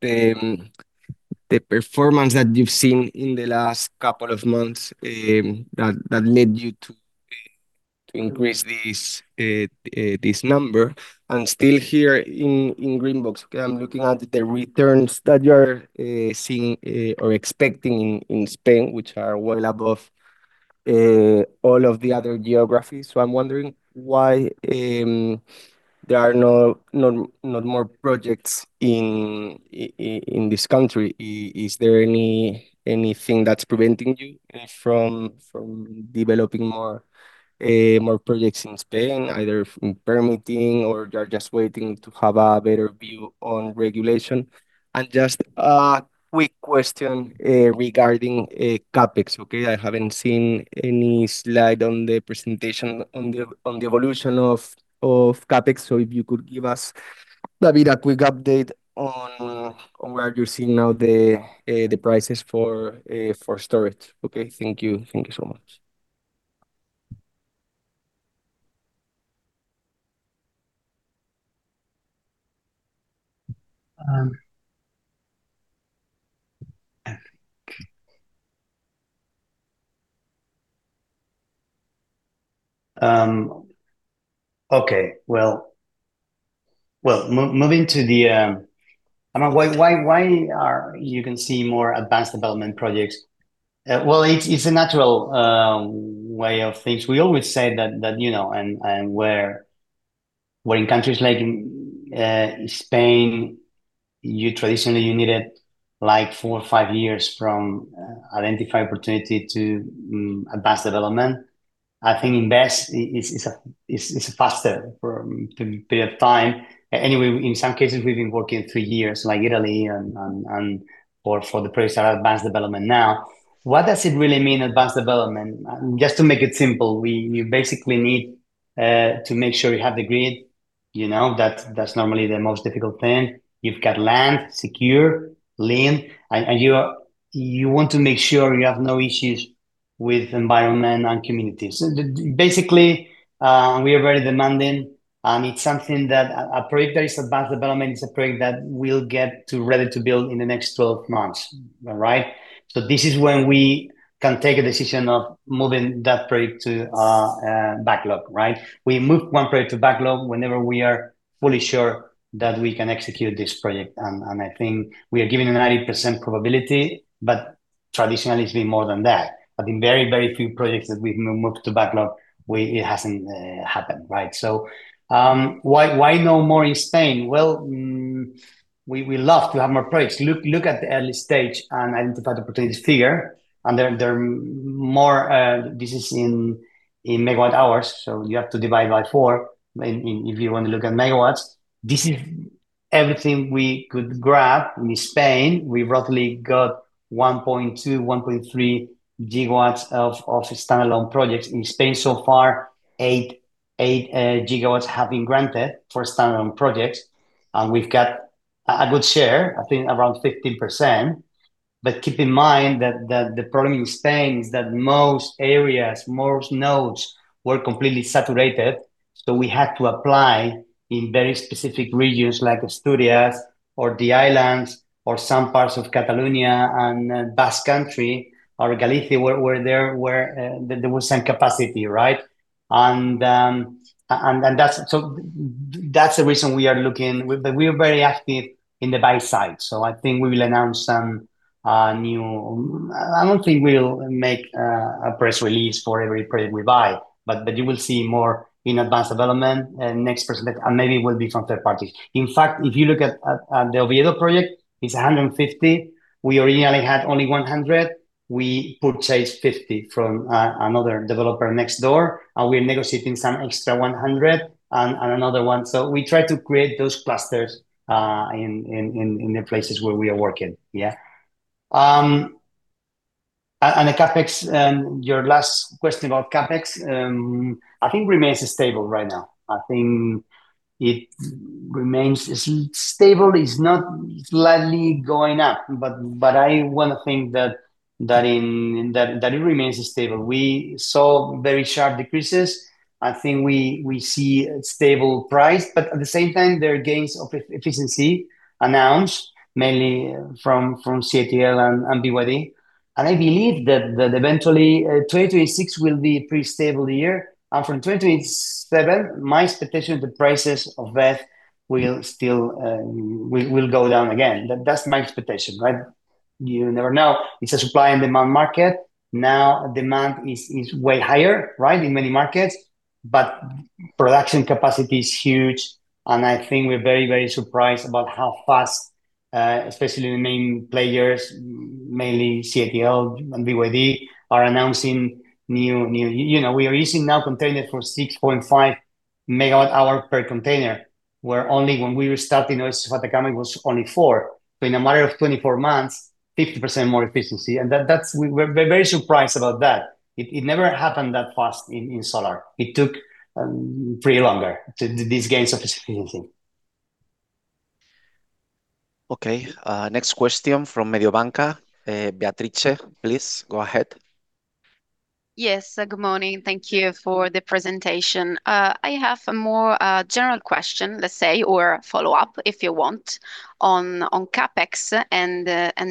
the performance that you've seen in the last couple of months that led you to increase this number? Still here in Greenbox, I'm looking at the returns that you are seeing or expecting in Spain, which are well above all of the other geographies. I am wondering why there are not more projects in this country. Is there anything that's preventing you from developing more projects in Spain, either permitting or you're just waiting to have a better view on regulation? Just a quick question regarding CapEx, okay? I haven't seen any slide on the presentation on the evolution of CapEx. If you could give us, David, a quick update on where you're seeing now the prices for storage. Okay. Thank you. Thank you so much. Moving to the, I mean, why you can see more advanced development projects. It's a natural way of things. We always say that and where in countries like Spain, you traditionally needed like four or five years from identifying opportunity to advanced development. I think invest is a faster period of time. Anyway, in some cases, we've been working three years like Italy for the projects that are advanced development now. What does it really mean, advanced development? Just to make it simple, you basically need to make sure you have the grid. That's normally the most difficult thing. You've got land, secure, lean. And you want to make sure you have no issues with environment and communities. Basically, we are very demanding. It's something that a project that is advanced development is a project that we'll get ready to build in the next 12 months, right? This is when we can take a decision of moving that project to backlog, right? We move one project to backlog whenever we are fully sure that we can execute this project. I think we are giving a 90% probability, but traditionally, it's been more than that. In very, very few projects that we've moved to backlog, it hasn't happened, right? Why no more in Spain? We love to have more projects. Look at the early stage and identify the opportunity figure. This is in megawatt-hours. You have to divide by four if you want to look at MW. This is everything we could grab in Spain. We roughly got 1.2 GW, 1.3 GW of standalone projects. In Spain, so far, 8 GW have been granted for standalone projects. And we've got a good share, I think, around 15%. But keep in mind that the problem in Spain is that most areas, most nodes were completely saturated. So we had to apply in very specific regions like Asturias or the islands or some parts of Catalonia and Basque Country or Galicia where there was some capacity, right? And so that's the reason we are looking. But we are very active in the buy side. So I think we will announce some new I don't think we'll make a press release for every project we buy. But you will see more in advanced development next person. And maybe it will be from third parties. In fact, if you look at the Oviedo project, it's 150. We originally had only 100. We purchased 50 from another developer next door. We are negotiating some extra 100 and another one. We try to create those clusters in the places where we are working, yeah? Your last question about CapEx, I think remains stable right now. I think it remains stable. It is not slightly going up. I want to think that it remains stable. We saw very sharp decreases. I think we see stable price. At the same time, there are gains of efficiency announced, mainly from CATL and BYD. I believe that eventually, 2026 will be a pretty stable year. From 2027, my expectation is the prices of BESS will go down again. That is my expectation, right? You never know. It is a supply and demand market. Now, demand is way higher, right, in many markets. Production capacity is huge. I think we're very, very surprised about how fast, especially the main players, mainly CATL and BYD, are announcing new. We are using now containers for 6.5 MW hour per container, where only when we were starting this was only 4. In a matter of 24 months, 50% more efficiency. We're very surprised about that. It never happened that fast in solar. It took pretty longer to these gains of efficiency. Okay. Next question from Mediobanca. [Beatrice], please go ahead. Yes. Good morning. Thank you for the presentation. I have a more general question, let's say, or follow-up if you want on CapEx and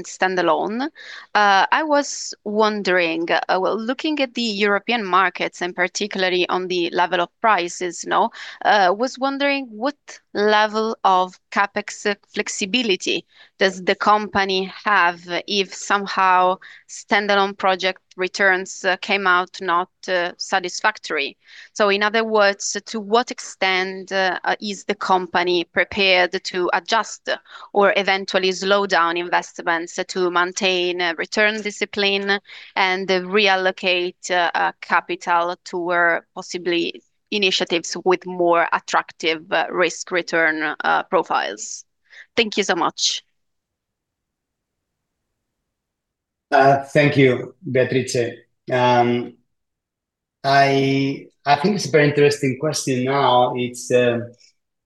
standalone. I was wondering, looking at the European markets, and particularly on the level of prices, I was wondering what level of CapEx flexibility does the company have if somehow standalone project returns came out not satisfactory? In other words, to what extent is the company prepared to adjust or eventually slow down investments to maintain return discipline and reallocate capital to possibly initiatives with more attractive risk-return profiles? Thank you so much. Thank you, Beatrice. I think it's a very interesting question now.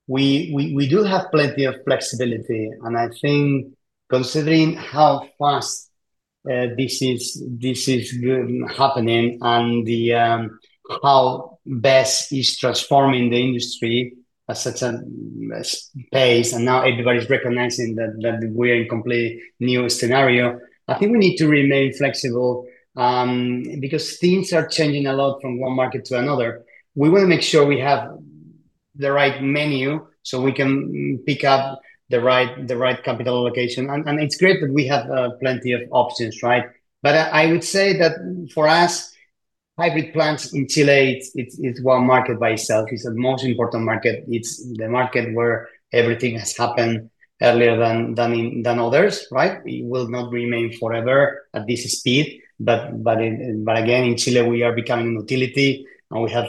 We do have plenty of flexibility. I think considering how fast this is happening and how BESS is transforming the industry at such a pace, and now everybody's recognizing that we're in a completely new scenario, I think we need to remain flexible because things are changing a lot from one market to another. We want to make sure we have the right menu so we can pick up the right capital allocation. It's great that we have plenty of options, right? I would say that for us, hybrid plants in Chile, it's one market by itself. It's the most important market. It's the market where everything has happened earlier than others, right? It will not remain forever at this speed. Again, in Chile, we are becoming a utility, and we have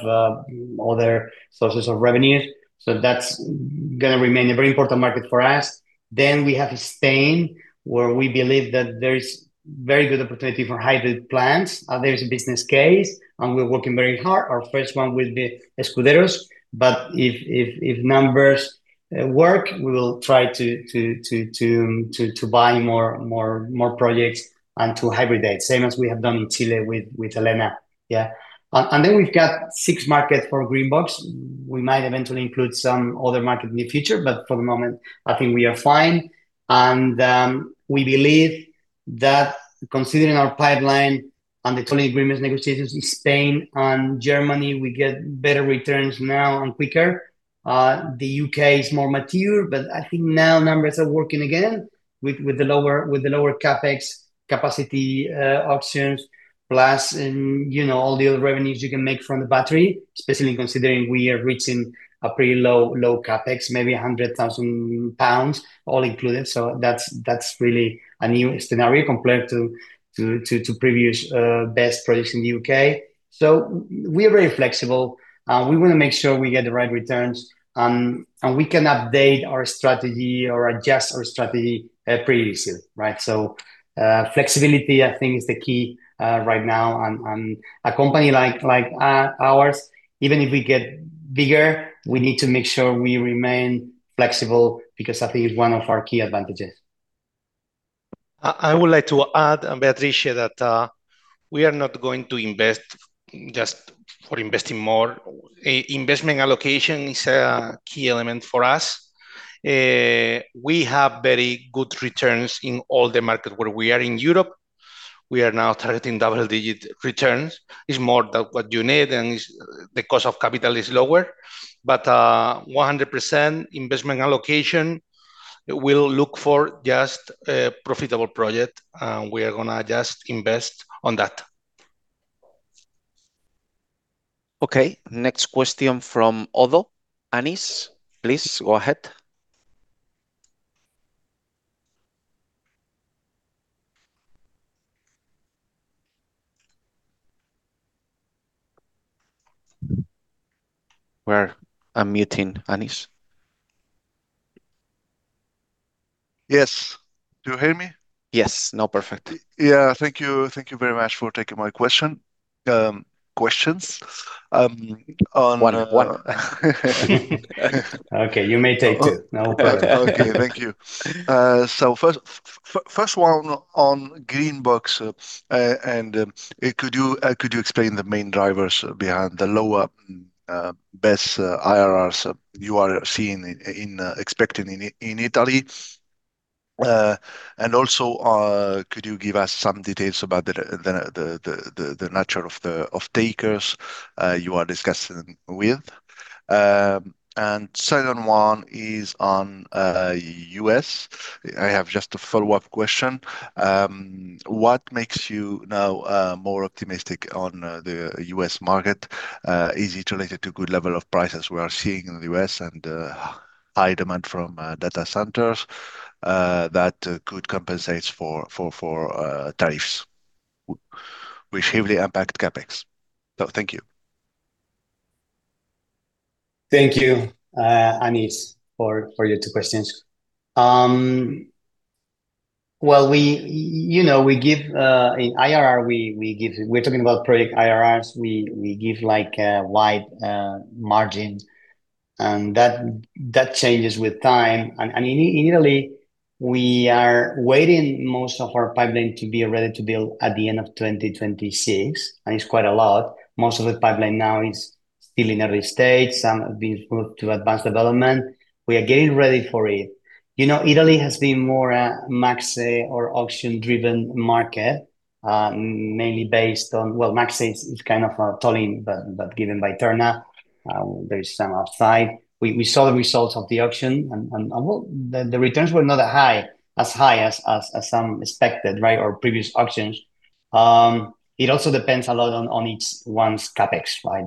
other sources of revenue. That's going to remain a very important market for us. We have Spain, where we believe that there is very good opportunity for hybrid plants. There is a business case, and we're working very hard. Our first one will be Escuderos. If numbers work, we will try to buy more projects and to hybridize, same as we have done in Chile with Elena, yeah? We've got six markets for Greenbox. We might eventually include some other market in the future, but for the moment, I think we are fine. We believe that considering our pipeline and the tolling agreement negotiations in Spain and Germany, we get better returns now and quicker. The U.K. is more mature, but I think now numbers are working again with the lower CapEx capacity options, plus all the other revenues you can make from the battery, especially considering we are reaching a pretty low CapEx, maybe 100,000 pounds all included. That is really a new scenario compared to previous best projects in the U.K. We are very flexible. We want to make sure we get the right returns, and we can update our strategy or adjust our strategy pretty easily, right? Flexibility, I think, is the key right now. A company like ours, even if we get bigger, we need to make sure we remain flexible because I think it is one of our key advantages. I would like to add, Beatrice, that we are not going to invest just for investing more. Investment allocation is a key element for us. We have very good returns in all the markets where we are in Europe. We are now targeting double-digit returns. It's more than what you need, and the cost of capital is lower. But 100% investment allocation, we'll look for just a profitable project, and we are going to just invest on that. Okay. Next question from Oddo. [Anis], please go ahead. We're unmuting, Anis. Yes. Do you hear me? Yes. Now perfect. Yeah. Thank you very much for taking my questions. One and one. Okay. You may take two. No problem. Okay. Thank you. First one on Greenbox. And could you explain the main drivers behind the lower BESS IRRs you are seeing in expecting in Italy? Could you give us some details about the nature of the takers you are discussing with? The second one is on the U.S.. I have just a follow-up question. What makes you now more optimistic on the U.S. market? Is it related to good level of prices we are seeing in the U.S. and high demand from data centers that could compensate for tariffs, which heavily impact CapEx? Thank you. Thank you, Anis, for your two questions. We give in IRR, we are talking about project IRRs. We give a wide margin, and that changes with time. In Italy, we are waiting for most of our pipeline to be ready to build at the end of 2026. It is quite a lot. Most of the pipeline now is still in early stage. Some have been moved to advanced development. We are getting ready for it. Italy has been more a Maxi or auction-driven market, mainly based on, well, Maxi is kind of a tolling but given by Turner. There is some outside. We saw the results of the auction, and the returns were not as high as some expected, right, or previous auctions. It also depends a lot on each one's CapEx, right?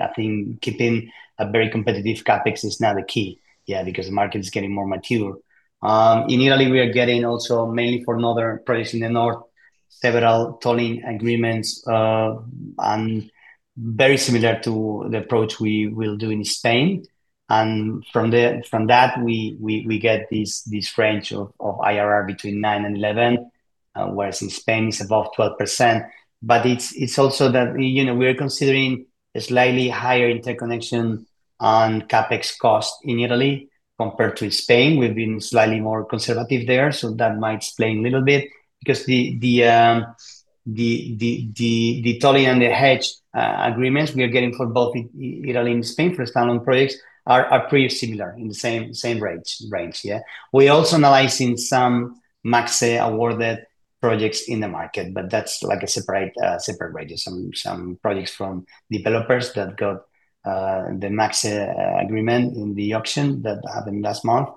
I think keeping a very competitive CapEx is now the key, yeah, because the market is getting more mature. In Italy, we are getting also mainly for another project in the north, several tolling agreements and very similar to the approach we will do in Spain. From that, we get this range of IRR between 9%-11%, whereas in Spain, it's above 12%. It's also that we are considering a slightly higher interconnection on CapEx cost in Italy compared to Spain. We've been slightly more conservative there. That might explain a little bit because the tolling and the hedge agreements we are getting for both Italy and Spain for standalone projects are pretty similar in the same range, yeah? We are also analyzing some Maxi awarded projects in the market, but that is like a separate range. There are some projects from developers that got the Maxi agreement in the auction that happened last month.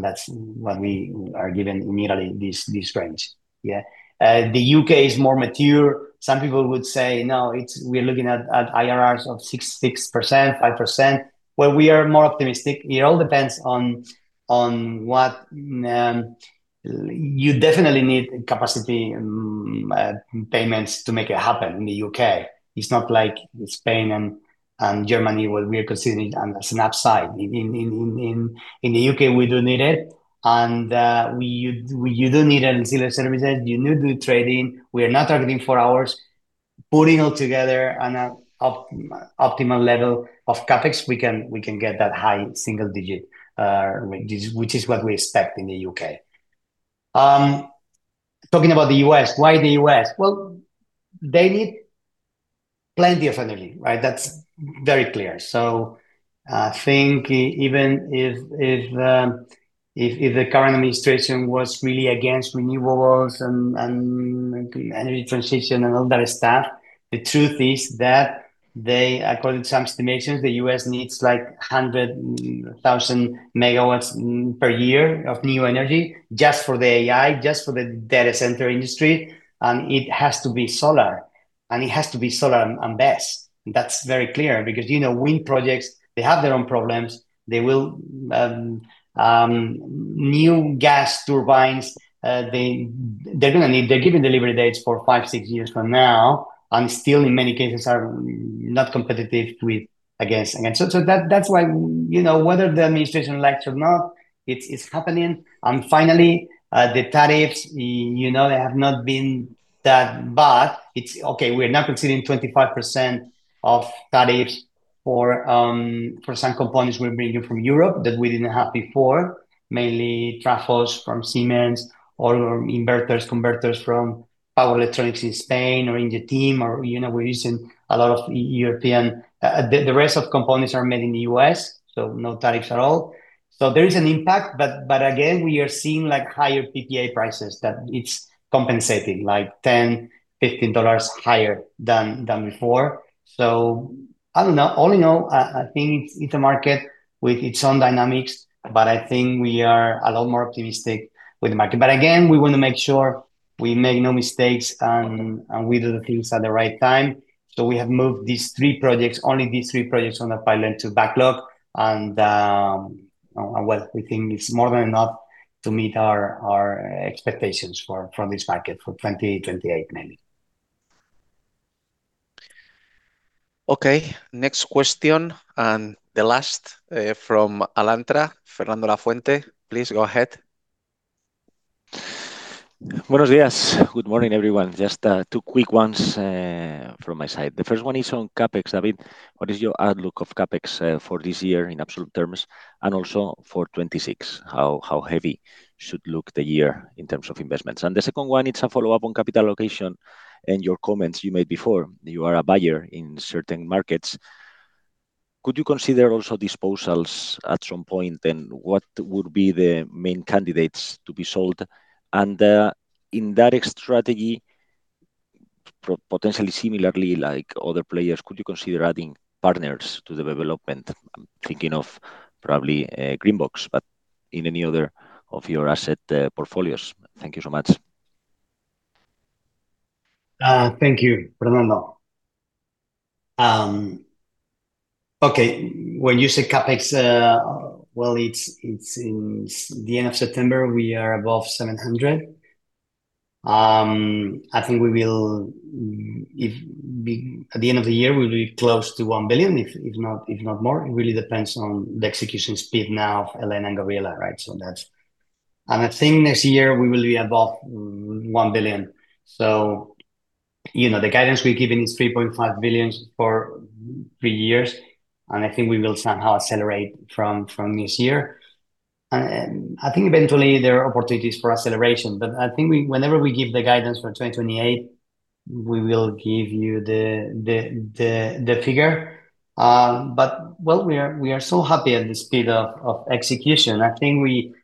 That is what we are given in Italy, this range, yeah? The U.K. is more mature. Some people would say, "No, we are looking at IRRs of 6%, 5%." We are more optimistic. It all depends on what you definitely need capacity payments to make it happen in the U.K. It is not like Spain and Germany where we are considering it as an upside. In the U.K., we do need it. You do need it in similar services. You need to do trading. We are not targeting four hours. Putting all together an optimal level of CapEx, we can get that high single digit, which is what we expect in the U.K. Talking about the U.S., why the U.S.? They need plenty of energy, right? That's very clear. I think even if the current administration was really against renewables and energy transition and all that stuff, the truth is that, according to some estimations, the U.S. needs like 100,000 MW per year of new energy just for the AI, just for the data center industry. It has to be solar. It has to be solar and BESS. That's very clear because wind projects, they have their own problems. New gas turbines, they're going to need—they're giving delivery dates for five, six years from now. Still, in many cases, are not competitive against. That is why whether the administration likes it or not, it is happening. Finally, the tariffs, they have not been that bad. It is okay. We are now proceeding with 25% of tariffs for some components we are bringing from Europe that we did not have before, mainly trafos from Siemens or inverters, converters from Power Electronics in Spain or in the team. We are using a lot of European—the rest of components are made in the U.S., so no tariffs at all. There is an impact. Again, we are seeing higher PPA prices that are compensating, like $10-$15 higher than before. I do not know. All in all, I think it is a market with its own dynamics, but I think we are a lot more optimistic with the market. Again, we want to make sure we make no mistakes and we do the things at the right time. We have moved these three projects, only these three projects on the pipeline to backlog. We think it's more than enough to meet our expectations for this market for 2028, maybe. Okay. Next question, and the last from Alantra, Fernando Lafuente. Please go ahead. Buenos días. Good morning, everyone. Just two quick ones from my side. The first one is on CapEx. David, what is your outlook of CapEx for this year in absolute terms and also for 2026? How heavy should look the year in terms of investments? The second one, it's a follow-up on capital allocation and your comments you made before. You are a buyer in certain markets. Could you consider also disposals at some point, and what would be the main candidates to be sold? In that strategy, potentially similarly like other players, could you consider adding partners to the development? I'm thinking of probably Greenbox, but in any other of your asset portfolios. Thank you so much. Thank you, Fernando. Okay. When you say CapEx, it is the end of September. We are above 700 million. I think at the end of the year, we will be close to 1 billion, if not more. It really depends on the execution speed now of Elena and Gabriela, right? That is, and I think next year, we will be above 1 billion. The guidance we are giving is 3.5 billion for three years. I think we will somehow accelerate from this year. I think eventually, there are opportunities for acceleration. I think whenever we give the guidance for 2028, we will give you the figure. We are so happy at the speed of execution. I think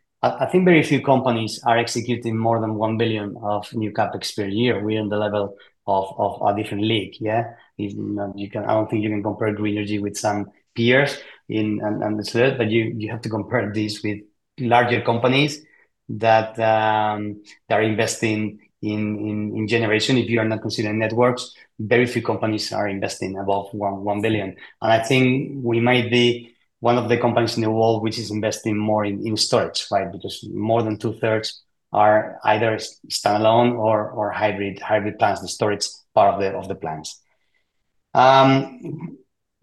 very few companies are executing more than 1 billion of new CapEx per year. We are on the level of a different league, yeah? I don't think you can compare Grenergy with some peers in the slide, but you have to compare this with larger companies that are investing in generation. If you are not considering networks, very few companies are investing above 1 billion. I think we might be one of the companies in the world which is investing more in storage, right? Because more than two-thirds are either standalone or hybrid plants, the storage part of the plants.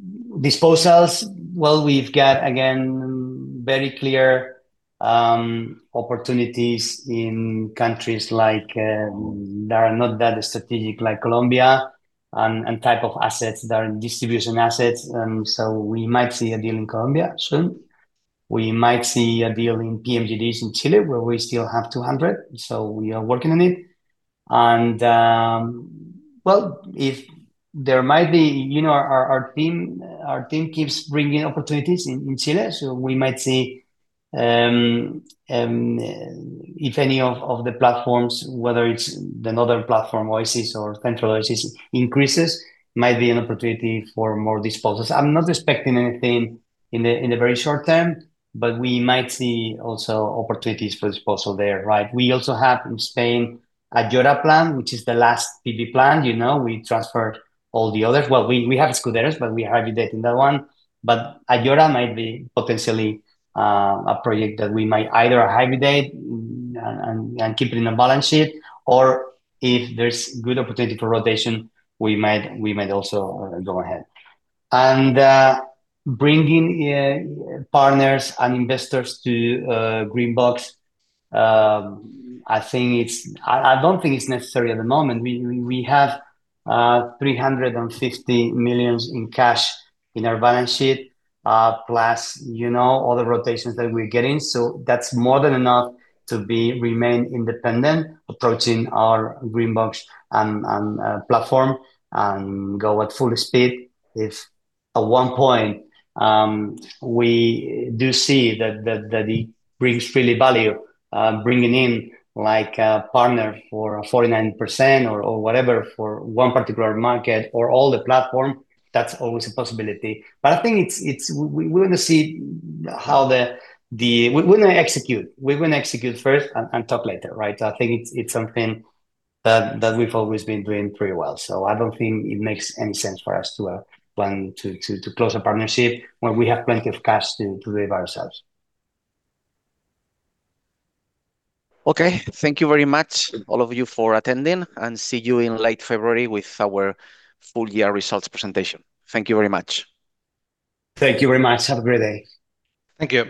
Disposals, well, we've got, again, very clear opportunities in countries that are not that strategic, like Colombia, and type of assets that are distribution assets. We might see a deal in Colombia soon. We might see a deal in PMGDs in Chile where we still have 200. We are working on it. There might be—our team keeps bringing opportunities in Chile. We might see if any of the platforms, whether it is the northern platform, Oasis, or Central Oasis, increases, might be an opportunity for more disposals. I am not expecting anything in the very short term, but we might see also opportunities for disposal there, right? We also have in Spain a Jara plant, which is the last PV plant. We transferred all the others. We have Scuderos, but we are hybridizing that one. A Jara might be potentially a project that we might either hybridize and keep it in a balance sheet, or if there is good opportunity for rotation, we might also go ahead. Bringing partners and investors to Greenbox, I do not think it is necessary at the moment. We have 350 million in cash in our balance sheet plus all the rotations that we are getting. That is more than enough to remain independent, approaching our Greenbox platform and go at full speed. If at one point we do see that it brings real value, bringing in a partner for 49% or whatever for one particular market or all the platform, that is always a possibility. I think we are going to see how the—we are going to execute. We are going to execute first and talk later, right? I think it is something that we have always been doing pretty well. I do not think it makes any sense for us to close a partnership when we have plenty of cash to do it ourselves. Thank you very much, all of you, for attending. See you in late February with our full year results presentation. Thank you very much. Thank you very much. Have a great day. Thank you.